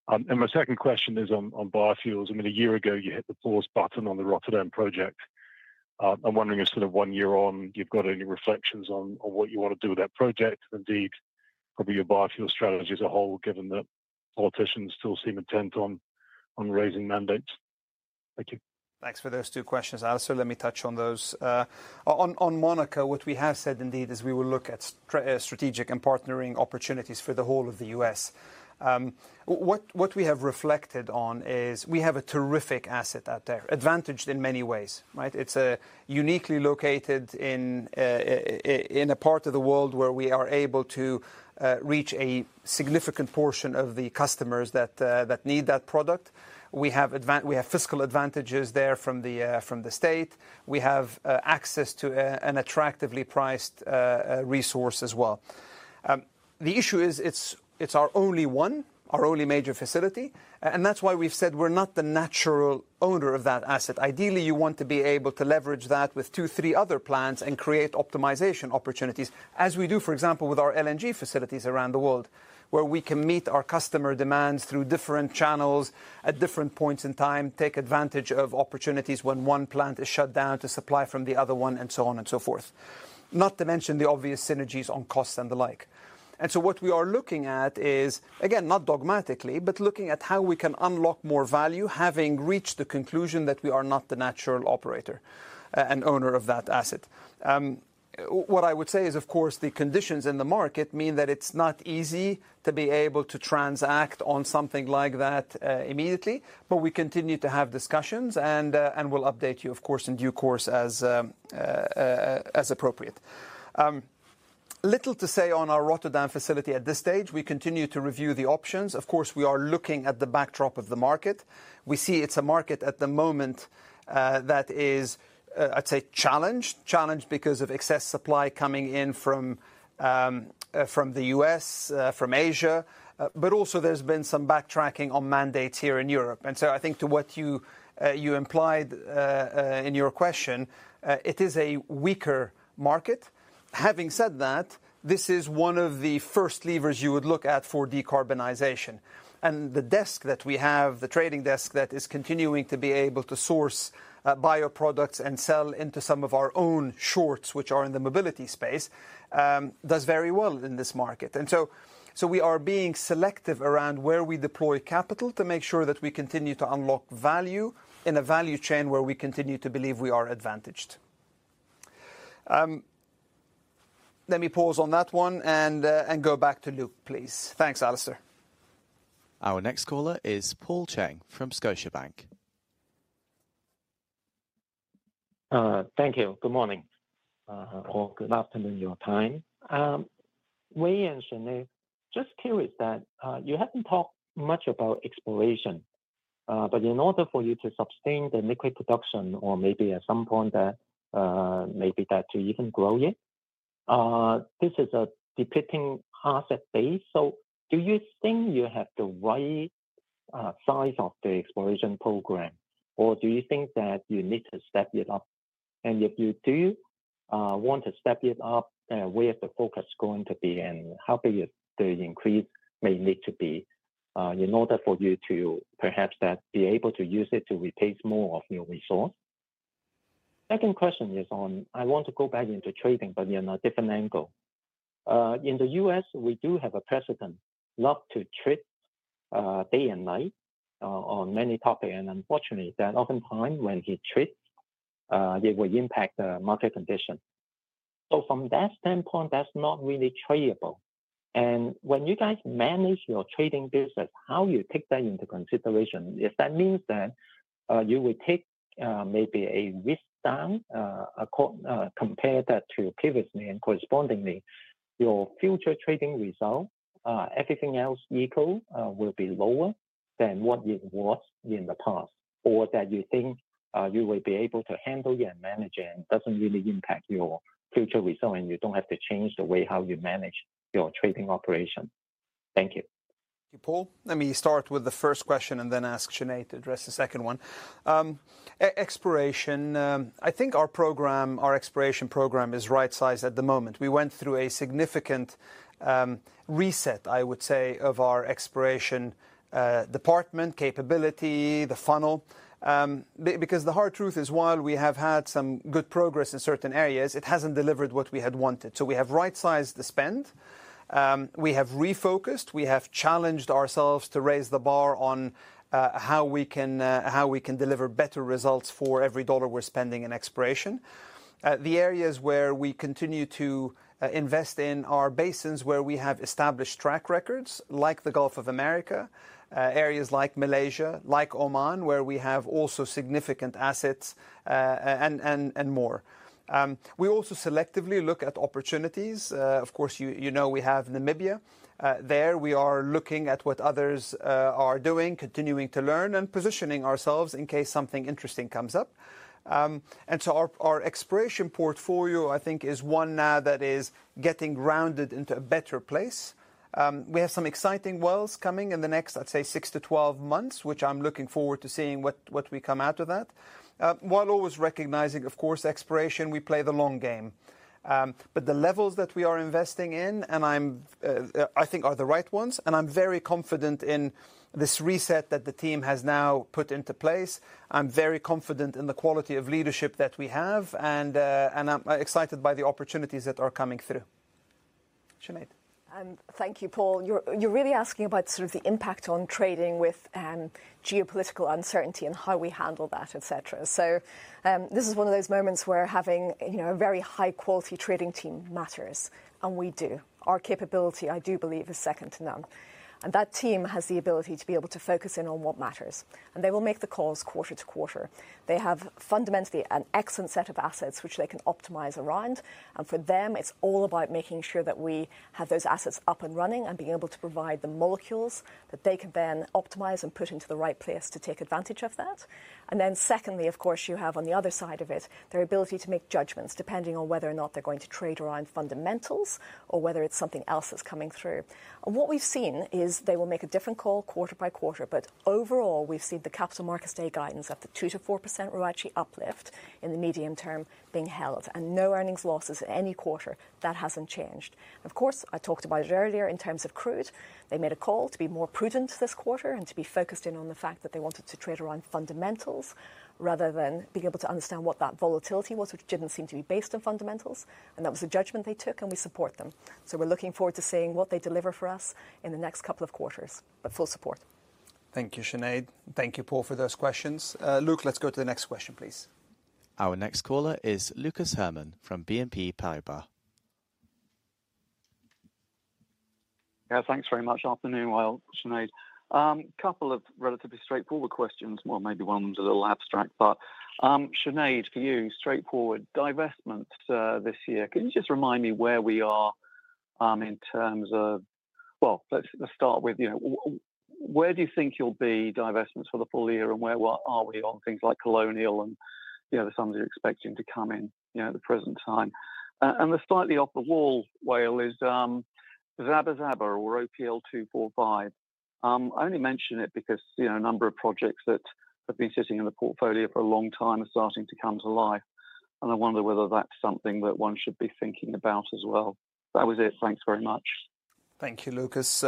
My second question is on biofuels. I mean, a year ago, you hit the pause button on the Rotterdam project. I'm wondering if, sort of one year on, you've got any reflections on what you want to do with that project, and indeed, probably your biofuel strategy as a whole, given that politicians still seem intent on raising mandates. Thank you. Thanks for those two questions. Alastair, let me touch on those. On Monaca, what we have said indeed is we will look at strategic and partnering opportunities for the whole of the US. What we have reflected on is we have a terrific asset out there, advantaged in many ways. It's uniquely located in a part of the world where we are able to reach a significant portion of the customers that need that product. We have fiscal advantages there from the state. We have access to an attractively priced resource as well. The issue is it's our only one, our only major facility. That's why we've said we're not the natural owner of that asset. Ideally, you want to be able to leverage that with two, three other plants and create optimization opportunities, as we do, for example, with our LNG facilities around the world, where we can meet our customer demands through different channels at different points in time, take advantage of opportunities when one plant is shut down to supply from the other one, and so on and so forth. Not to mention the obvious synergies on costs and the like. What we are looking at is, again, not dogmatically, but looking at how we can unlock more value, having reached the conclusion that we are not the natural operator and owner of that asset. What I would say is, of course, the conditions in the market mean that it's not easy to be able to transact on something like that immediately. We continue to have discussions and will update you, of course, in due course as appropriate. Little to say on our Rotterdam facility at this stage. We continue to review the options. Of course, we are looking at the backdrop of the market. We see it is a market at the moment that is, I would say, challenged, challenged because of excess supply coming in from the U.S., from Asia. There has also been some backtracking on mandates here in Europe. I think to what you implied in your question, it is a weaker market. Having said that, this is one of the first levers you would look at for decarbonization. The desk that we have, the trading desk that is continuing to be able to source bioproducts and sell into some of our own shorts, which are in the mobility space, does very well in this market. We are being selective around where we deploy capital to make sure that we continue to unlock value in a value chain where we continue to believe we are advantaged. Let me pause on that one and go back to Luke, please. Thanks, Alastair. Our next caller is Paul Cheng from Scotiabank. Thank you. Good morning or good afternoon, your time. Wael and Sinead, just curious that you haven't talked much about exploration. But in order for you to sustain the liquid production or maybe at some point that maybe that to even grow it, this is a depleting asset base. Do you think you have the right size of the exploration program, or do you think that you need to step it up? If you do want to step it up, where's the focus going to be and how big the increase may need to be in order for you to perhaps be able to use it to replace more of your resource? Second question is on, I want to go back into trading, but in a different angle. In the U.S., we do have a president love to trade day and night on many topics. Unfortunately, that oftentimes when he trades, it will impact the market condition. From that standpoint, that's not really tradable. When you guys manage your trading business, how you take that into consideration, if that means that you would take maybe a risk down compared to previously and correspondingly, your future trading result, everything else equal, will be lower than what it was in the past, or that you think you will be able to handle your manager and it does not really impact your future result and you do not have to change the way how you manage your trading operation. Thank you. Thank you, Paul. Let me start with the first question and then ask Sinead to address the second one. Exploration, I think our program, our exploration program is right sized at the moment. We went through a significant reset, I would say, of our exploration department, capability, the funnel. Because the hard truth is, while we have had some good progress in certain areas, it has not delivered what we had wanted. So we have right sized the spend. We have refocused. We have challenged ourselves to raise the bar on how we can deliver better results for every dollar we are spending in exploration. The areas where we continue to invest in are basins where we have established track records, like the Gulf of Mexico, areas like Malaysia, like Oman, where we have also significant assets and more. We also selectively look at opportunities. Of course, you know we have Namibia. There we are looking at what others are doing, continuing to learn and positioning ourselves in case something interesting comes up. Our exploration portfolio, I think, is one now that is getting grounded into a better place. We have some exciting wells coming in the next, I'd say, 6-12 months, which I'm looking forward to seeing what we come out of that. While always recognizing, of course, exploration, we play the long game. The levels that we are investing in, and I think are the right ones, and I'm very confident in this reset that the team has now put into place. I'm very confident in the quality of leadership that we have, and I'm excited by the opportunities that are coming through. Sinead. Thank you, Paul. You're really asking about sort of the impact on trading with geopolitical uncertainty and how we handle that, et cetera. This is one of those moments where having a very high-quality trading team matters. And we do. Our capability, I do believe, is second to none. That team has the ability to be able to focus in on what matters. They will make the calls quarter to quarter. They have fundamentally an excellent set of assets, which they can optimize around. For them, it's all about making sure that we have those assets up and running and being able to provide the molecules that they can then optimize and put into the right place to take advantage of that. Secondly, of course, you have on the other side of it, their ability to make judgments depending on whether or not they're going to trade around fundamentals or whether it's something else that's coming through. What we've seen is they will make a different call quarter by quarter. Overall, we've seen the capital markets day guidance at the 2-4% ROACE uplift in the medium term being held and no earnings losses in any quarter. That hasn't changed. Of course, I talked about it earlier in terms of crude. They made a call to be more prudent this quarter and to be focused in on the fact that they wanted to trade around fundamentals rather than being able to understand what that volatility was, which didn't seem to be based on fundamentals. That was a judgment they took, and we support them. We're looking forward to seeing what they deliver for us in the next couple of quarters. Full support. Thank you, Sinead. Thank you, Paul, for those questions. Luke, let's go to the next question, please. Our next caller is Lucas Herrmann from BNP Paribas. Yeah, thanks very much. Afternoon, Wael and Sinead. A couple of relatively straightforward questions, or maybe one's a little abstract. Sinead, for you, straightforward divestment this year. Can you just remind me where we are in terms of, well, let's start with where do you think you'll be divestments for the full year and where are we on things like Colonial and the sums you're expecting to come in the present time? The slightly off the wall, Wael, is Zaber Zaber or OPL 245. I only mention it because a number of projects that have been sitting in the portfolio for a long time are starting to come to life. I wonder whether that's something that one should be thinking about as well. That was it. Thanks very much. Thank you, Lucas.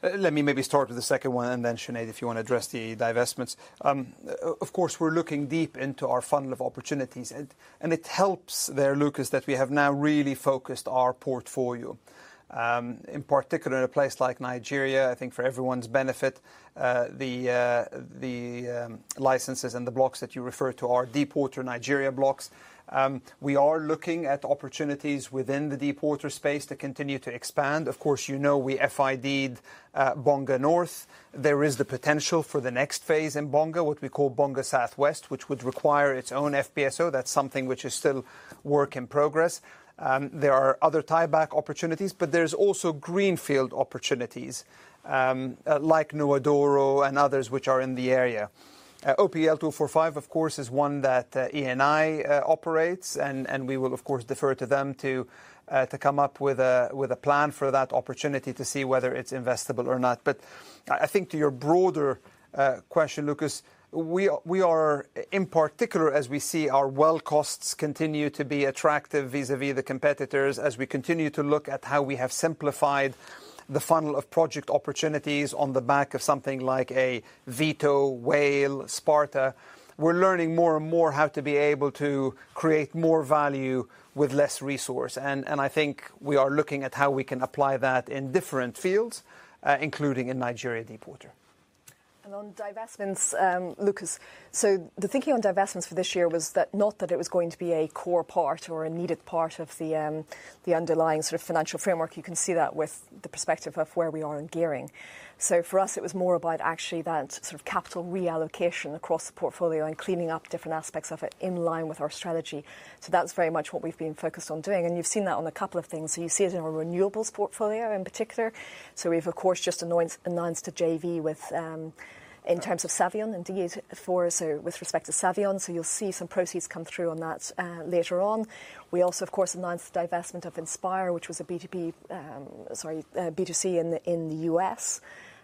Let me maybe start with the second one and then Sinead, if you want to address the divestments. Of course, we're looking deep into our funnel of opportunities. It helps there, Lucas, that we have now really focused our portfolio, in particular in a place like Nigeria. I think for everyone's benefit, the licenses and the blocks that you refer to are deepwater Nigeria blocks. We are looking at opportunities within the deepwater space to continue to expand. Of course, you know we FIDed Bonga North. There is the potential for the next phase in Bonga, what we call Bonga Southwest, which would require its own FPSO. That's something which is still work in progress. There are other tieback opportunities, but there's also greenfield opportunities like Nnwa-Doro and others which are in the area. OPL245, of course, is one that ENI operates. We will, of course, defer to them to come up with a plan for that opportunity to see whether it is investable or not. I think to your broader question, Lucas, we are in particular, as we see our well costs continue to be attractive vis-à-vis the competitors, as we continue to look at how we have simplified the funnel of project opportunities on the back of something like Vito, Whale, Sparta. We are learning more and more how to be able to create more value with less resource. I think we are looking at how we can apply that in different fields, including in Nigeria deepwater. On divestments, Lucas, the thinking on divestments for this year was not that it was going to be a core part or a needed part of the underlying sort of financial framework. You can see that with the perspective of where we are in gearing. For us, it was more about actually that sort of capital reallocation across the portfolio and cleaning up different aspects of it in line with our strategy. That is very much what we have been focused on doing. You have seen that on a couple of things. You see it in our renewables portfolio in particular. We have, of course, just announced a JV with respect to Savion and, [AUDIO DISTORTION] so with respect to Savion. You will see some proceeds come through on that later on. We also, of course, announced the divestment of Inspire, which was a B2C in the U.S.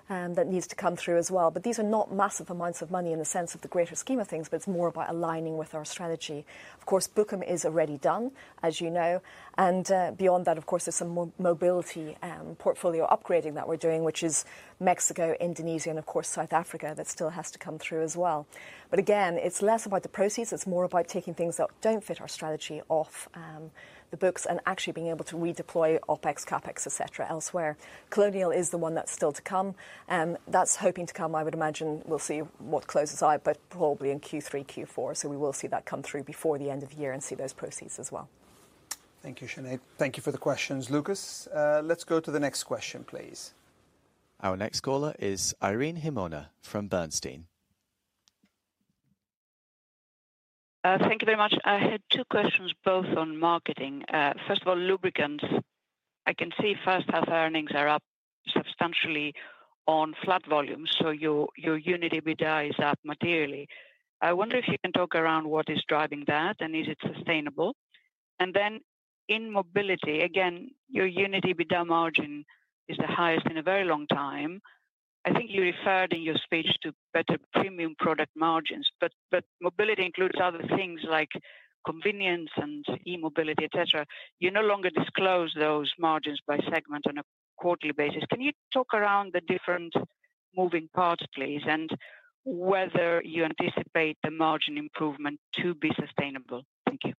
that needs to come through as well. These are not massive amounts of money in the sense of the greater scheme of things, but it's more about aligning with our strategy. Of course, Bookim is already done, as you know. Beyond that, of course, there's some mobility portfolio upgrading that we're doing, which is Mexico, Indonesia, and of course, South Africa that still has to come through as well. Again, it's less about the proceeds. It's more about taking things that don't fit our strategy off the books and actually being able to redeploy OpEx, CapEx, et cetera elsewhere. Colonial is the one that's still to come. That's hoping to come, I would imagine. We'll see what closes out, but probably in Q3, Q4. We will see that come through before the end of the year and see those proceeds as well. Thank you, Sinead. Thank you for the questions, Lucas. Let's go to the next question, please. Our next caller is Irene Himona from Bernstein. Thank you very much. I had two questions, both on marketing. First of all, lubricants. I can see first-hand earnings are up substantially on flat volumes. So your unit EBITDA is up materially. I wonder if you can talk around what is driving that and is it sustainable? In mobility, again, your unit EBITDA margin is the highest in a very long time. I think you referred in your speech to better premium product margins, but mobility includes other things like convenience and e-mobility, et cetera. You no longer disclose those margins by segment on a quarterly basis. Can you talk around the different moving parts, please, and whether you anticipate the margin improvement to be sustainable? Thank you.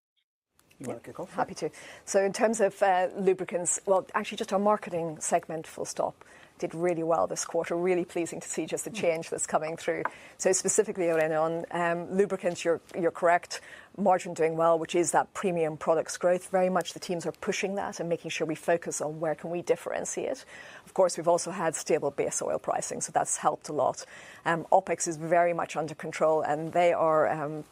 You're welcome. Happy to. In terms of lubricants, actually just our marketing segment full stop did really well this quarter. Really pleasing to see just the change that's coming through. Specifically, Irene, on lubricants, you're correct. Margin doing well, which is that premium products growth. Very much the teams are pushing that and making sure we focus on where can we differentiate. Of course, we've also had stable base oil pricing, so that's helped a lot. OpEx is very much under control, and they are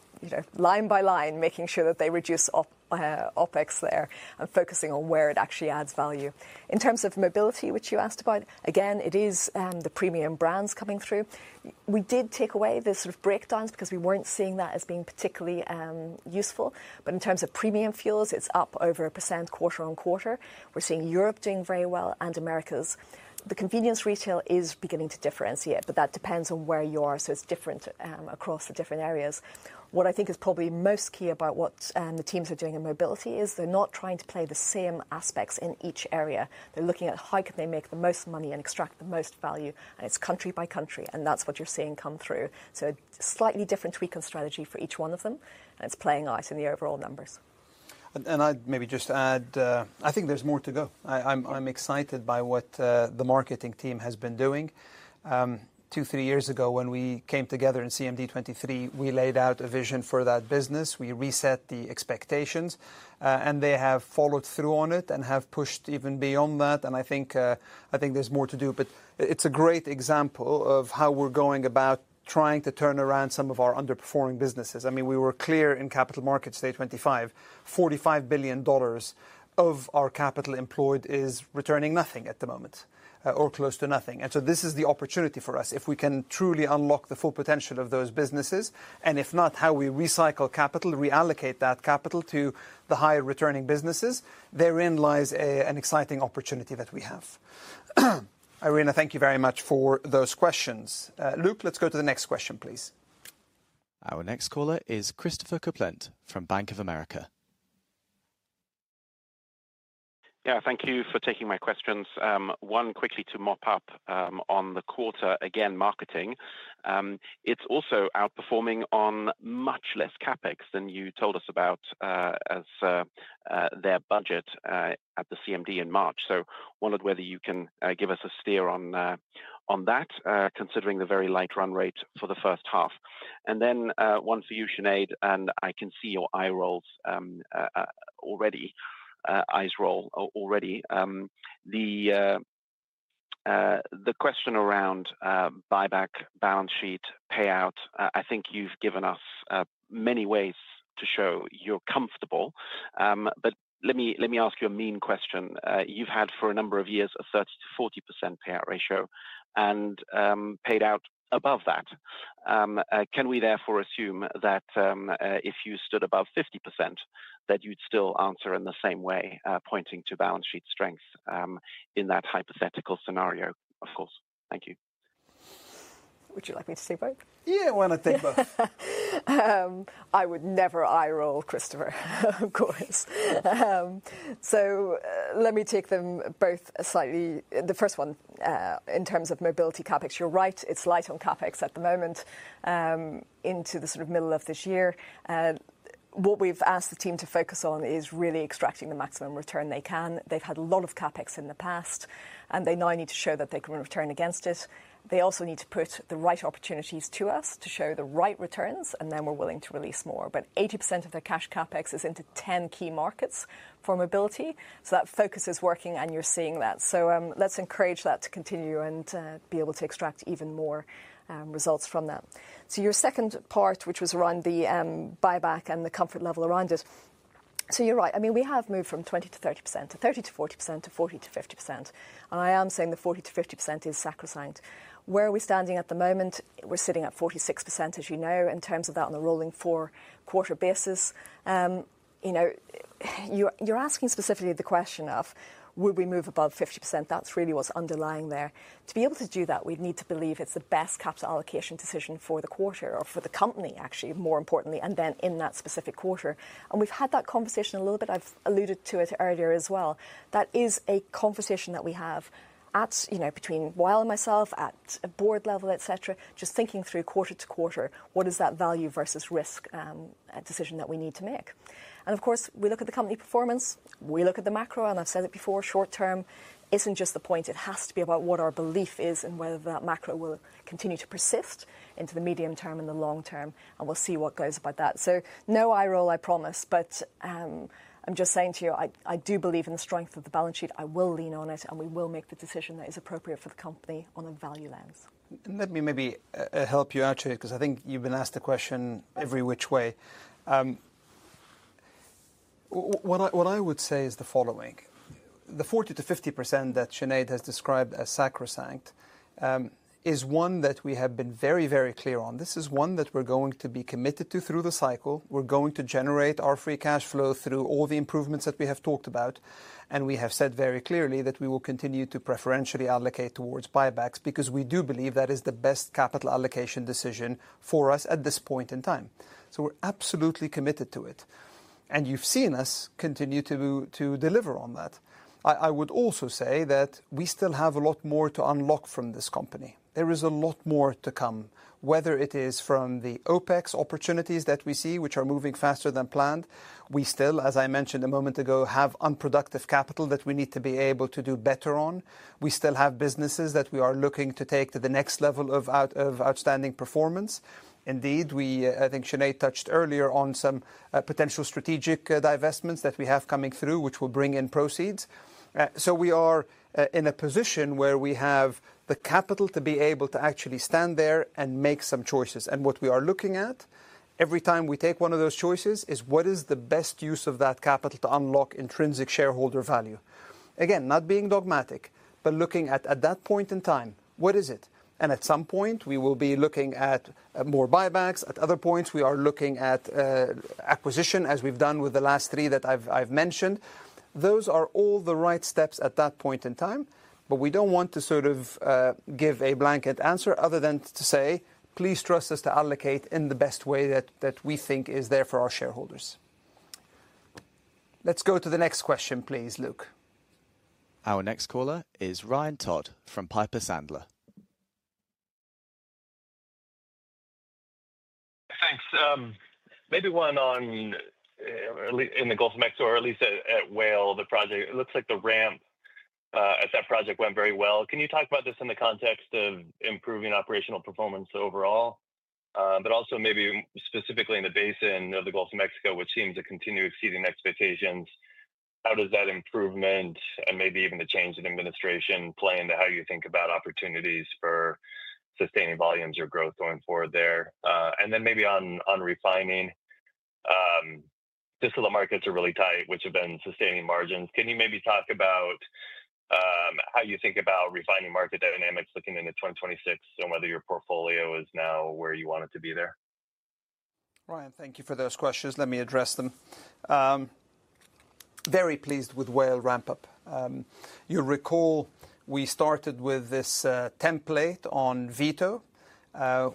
line by line making sure that they reduce OpEx there and focusing on where it actually adds value. In terms of mobility, which you asked about, again, it is the premium brands coming through. We did take away the sort of breakdowns because we were not seeing that as being particularly useful. In terms of premium fuels, it's up over 1% quarter-on-quarter. We're seeing Europe doing very well and Americas. The convenience retail is beginning to differentiate, but that depends on where you are. It is different across the different areas. What I think is probably most key about what the teams are doing in mobility is they're not trying to play the same aspects in each area. They're looking at how can they make the most money and extract the most value, and it's country by country. That is what you're seeing come through. A slightly different tweak on strategy for each one of them, and it's playing out in the overall numbers. I'd maybe just add, I think there's more to go. I'm excited by what the marketing team has been doing. Two, three years ago when we came together in CMD23, we laid out a vision for that business. We reset the expectations, and they have followed through on it and have pushed even beyond that. I think there's more to do. It's a great example of how we're going about trying to turn around some of our underperforming businesses. I mean, we were clear in Capital Markets Day 2025, $45 billion of our capital employed is returning nothing at the moment or close to nothing. This is the opportunity for us. If we can truly unlock the full potential of those businesses, and if not, how we recycle capital, reallocate that capital to the higher returning businesses, therein lies an exciting opportunity that we have. Irene, thank you very much for those questions. Luke, let's go to the next question, please. Our next caller is Christopher Kuplent from Bank of America. Yeah, thank you for taking my questions. One quickly to mop up on the quarter, again, marketing. It's also outperforming on much less CapEx than you told us about as their budget at the CMD in March. So wondered whether you can give us a steer on that, considering the very light run rate for the first half. And then one for you, Sinead, and I can see your eye rolls already, eyes roll already. The question around buyback balance sheet payout, I think you've given us many ways to show you're comfortable. But let me ask you a mean question. You've had for a number of years a 30-40% payout ratio and paid out above that. Can we therefore assume that if you stood above 50%, that you'd still answer in the same way, pointing to balance sheet strength in that hypothetical scenario? Of course. Thank you. Would you like me to say both? You don't want to think both. I would never eye roll, Christopher, of course. Let me take them both slightly. The first one, in terms of mobility CapEx, you're right. It's light on CapEx at the moment into the sort of middle of this year. What we've asked the team to focus on is really extracting the maximum return they can. They've had a lot of CapEx in the past, and they now need to show that they can return against it. They also need to put the right opportunities to us to show the right returns, and then we're willing to release more. 80% of their cash CapEx is into 10 key markets for mobility. That focus is working, and you're seeing that. Let's encourage that to continue and be able to extract even more results from that. Your second part, which was around the buyback and the comfort level around it. You're right. I mean, we have moved from 20-30% to 30-40% to 40-50%. I am saying the 40-50% is sacrosanct. Where are we standing at the moment? We're sitting at 46%, as you know, in terms of that on a rolling 4-quarter basis. You're asking specifically the question of, would we move above 50%? That's really what's underlying there. To be able to do that, we'd need to believe it's the best capital allocation decision for the quarter or for the company, actually, more importantly, and then in that specific quarter. We've had that conversation a little bit. I've alluded to it earlier as well. That is a conversation that we have between Wael and myself at board level, et cetera, just thinking through quarter to quarter, what is that value versus risk decision that we need to make. Of course, we look at the company performance. We look at the macro, and I've said it before, short term isn't just the point. It has to be about what our belief is and whether that macro will continue to persist into the medium term and the long term. We'll see what goes about that. No eye roll, I promise. I'm just saying to you, I do believe in the strength of the balance sheet. I will lean on it, and we will make the decision that is appropriate for the company on a value lens. Let me maybe help you out here, because I think you've been asked a question every which way. What I would say is the following. The 40-50% that Sinead has described as sacrosanct is one that we have been very, very clear on. This is one that we're going to be committed to through the cycle. We're going to generate our free cash flow through all the improvements that we have talked about. We have said very clearly that we will continue to preferentially allocate towards buybacks because we do believe that is the best capital allocation decision for us at this point in time. We are absolutely committed to it. You have seen us continue to deliver on that. I would also say that we still have a lot more to unlock from this company. There is a lot more to come, whether it is from the OpEx opportunities that we see, which are moving faster than planned. We still, as I mentioned a moment ago, have unproductive capital that we need to be able to do better on. We still have businesses that we are looking to take to the next level of outstanding performance. Indeed, I think Sinead touched earlier on some potential strategic divestments that we have coming through, which will bring in proceeds. We are in a position where we have the capital to be able to actually stand there and make some choices. What we are looking at every time we take one of those choices is what is the best use of that capital to unlock intrinsic shareholder value. Again, not being dogmatic, but looking at that point in time, what is it? At some point, we will be looking at more buybacks. At other points, we are looking at acquisition, as we've done with the last three that I've mentioned. Those are all the right steps at that point in time. We do not want to sort of give a blanket answer other than to say, please trust us to allocate in the best way that we think is there for our shareholders. Let's go to the next question, please, Luke. Our next caller is Ryan Todd from Piper Sandler. Thanks. Maybe one on in the Gulf of Mexico or at least at Whale, the project. It looks like the ramp at that project went very well. Can you talk about this in the context of improving operational performance overall, but also maybe specifically in the basin of the Gulf of Mexico, which seems to continue exceeding expectations? How does that improvement and maybe even the change in administration play into how you think about opportunities for sustaining volumes or growth going forward there? Maybe on refining, just the markets are really tight, which have been sustaining margins. Can you maybe talk about how you think about refining market dynamics, looking into 2026, and whether your portfolio is now where you want it to be there? Ryan, thank you for those questions. Let me address them. Very pleased with Whale ramp-up. You'll recall we started with this template on Vito.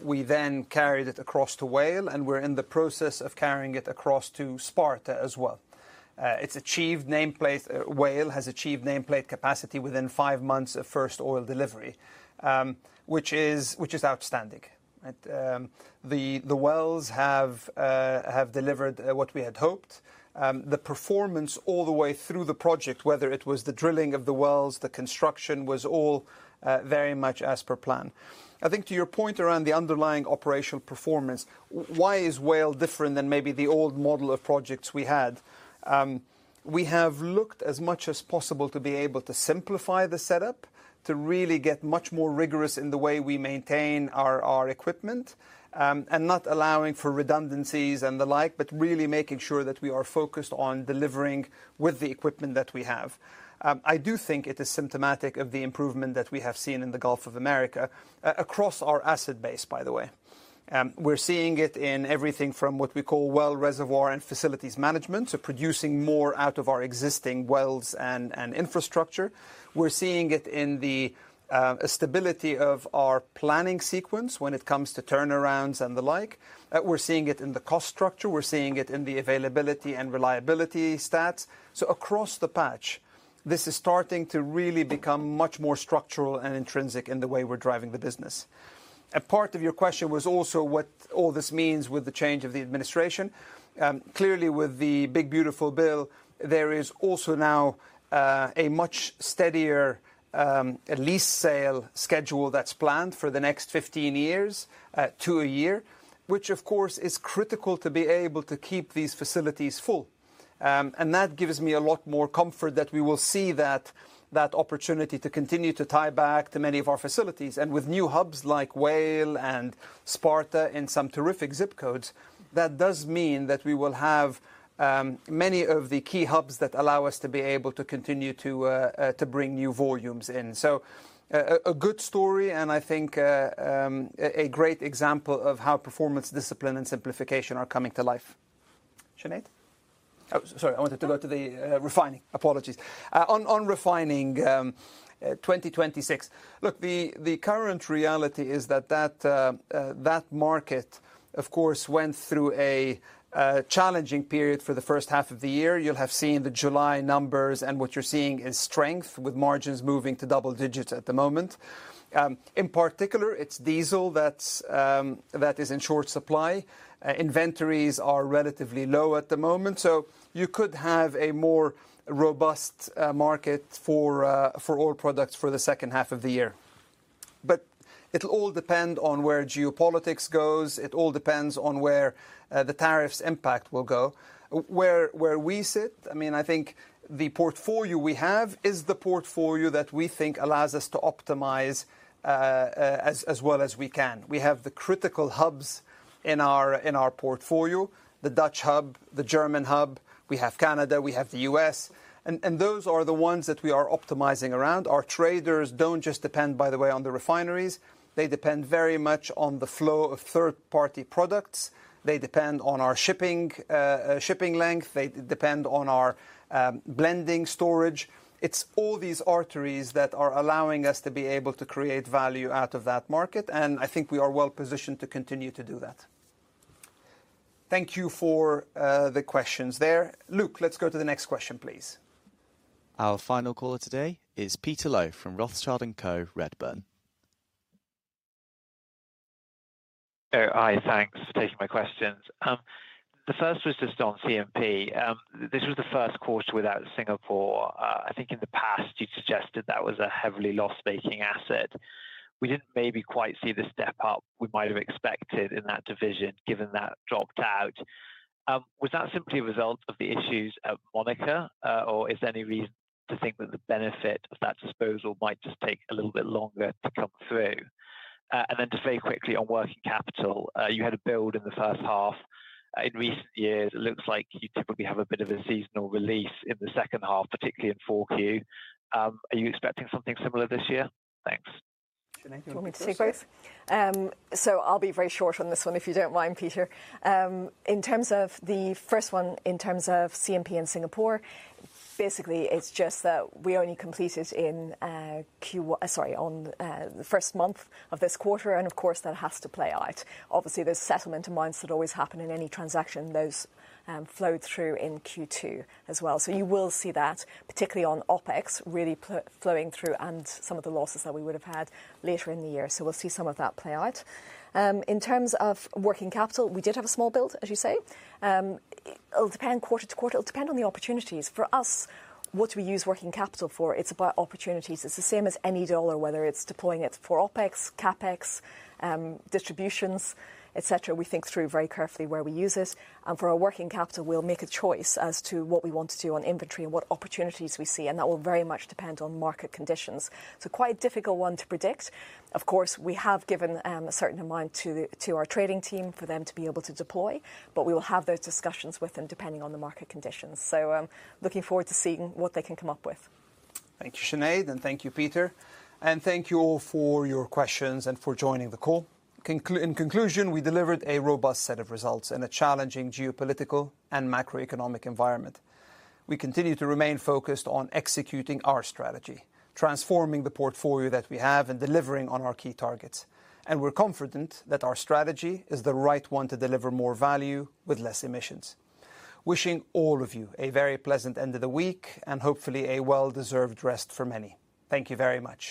We then carried it across to Whale, and we're in the process of carrying it across to Sparta as well. Whale has achieved nameplate capacity within five months of first oil delivery, which is outstanding. The wells have delivered what we had hoped. The performance all the way through the project, whether it was the drilling of the wells, the construction, was all very much as per plan. I think to your point around the underlying operational performance, why is Whale different than maybe the old model of projects we had? We have looked as much as possible to be able to simplify the setup, to really get much more rigorous in the way we maintain our equipment, and not allowing for redundancies and the like, but really making sure that we are focused on delivering with the equipment that we have. I do think it is symptomatic of the improvement that we have seen in the Gulf of Mexico, across our asset base, by the way. We're seeing it in everything from what we call well reservoir and facilities management, so producing more out of our existing wells and infrastructure. We're seeing it in the stability of our planning sequence when it comes to turnarounds and the like. We're seeing it in the cost structure. We're seeing it in the availability and reliability stats. Across the patch, this is starting to really become much more structural and intrinsic in the way we're driving the business. A part of your question was also what all this means with the change of the administration. Clearly, with the big beautiful bill, there is also now a much steadier lease sale schedule that's planned for the next 15 years to a year, which of course is critical to be able to keep these facilities full. That gives me a lot more comfort that we will see that opportunity to continue to tie back to many of our facilities. With new hubs like Whale and Sparta in some terrific zip codes, that does mean that we will have many of the key hubs that allow us to be able to continue to bring new volumes in. A good story, and I think a great example of how performance, discipline, and simplification are coming to life. Sinead? Sorry, I wanted to go to the refining. Apologies. On refining 2026. Look, the current reality is that that market, of course, went through a challenging period for the first half of the year. You'll have seen the July numbers, and what you're seeing is strength with margins moving to double digits at the moment. In particular, it's diesel that is in short supply. Inventories are relatively low at the moment. You could have a more robust market for oil products for the second half of the year. It'll all depend on where geopolitics goes. It all depends on where the tariffs impact will go. Where we sit, I mean, I think the portfolio we have is the portfolio that we think allows us to optimize as well as we can. We have the critical hubs in our portfolio, the Dutch hub, the German hub. We have Canada. We have the U.S.. Those are the ones that we are optimizing around. Our traders do not just depend, by the way, on the refineries. They depend very much on the flow of third-party products. They depend on our shipping length. They depend on our blending storage. It is all these arteries that are allowing us to be able to create value out of that market. I think we are well positioned to continue to do that. Thank you for the questions there. Luke, let's go to the next question, please. Our final caller today is Peter Low from Rothschild & Co Redburn. Hi, thanks for taking my questions. The first was just on CMP. This was the first quarter without Singapore. I think in the past, you suggested that was a heavily loss-making asset. We did not maybe quite see the step up we might have expected in that division, given that dropped out. Was that simply a result of the issues at Monaca, or is there any reason to think that the benefit of that disposal might just take a little bit longer to come through? To very quickly on working capital, you had a build in the first half. In recent years, it looks like you typically have a bit of a seasonal release in the second half, particularly in 4Q. Are you expecting something similar this year? Thanks. Sinead, you want me to take those? I'll be very short on this one, if you do not mind, Peter. In terms of the first one, in terms of CMP and Singapore, basically, it is just that we only completed in Q1, sorry, on the first month of this quarter. Of course, that has to play out. Obviously, there is settlement in minds that always happen in any transaction. Those flowed through in Q2 as well. You will see that, particularly on OpEx, really flowing through and some of the losses that we would have had later in the year. We will see some of that play out. In terms of working capital, we did have a small build, as you say. It will depend quarter to quarter. It will depend on the opportunities. For us, what do we use working capital for? It is about opportunities. It's the same as any dollar, whether it's deploying it for OpEx, CapEx, distributions, et cetera. We think through very carefully where we use it. For our working capital, we'll make a choice as to what we want to do on inventory and what opportunities we see. That will very much depend on market conditions. It's a quite difficult one to predict. Of course, we have given a certain amount to our trading team for them to be able to deploy, but we will have those discussions with them depending on the market conditions. Looking forward to seeing what they can come up with. Thank you, Sinead, and thank you, Peter. Thank you all for your questions and for joining the call. In conclusion, we delivered a robust set of results in a challenging geopolitical and macroeconomic environment. We continue to remain focused on executing our strategy, transforming the portfolio that we have, and delivering on our key targets. We are confident that our strategy is the right one to deliver more value with less emissions. Wishing all of you a very pleasant end of the week and hopefully a well-deserved rest for many. Thank you very much.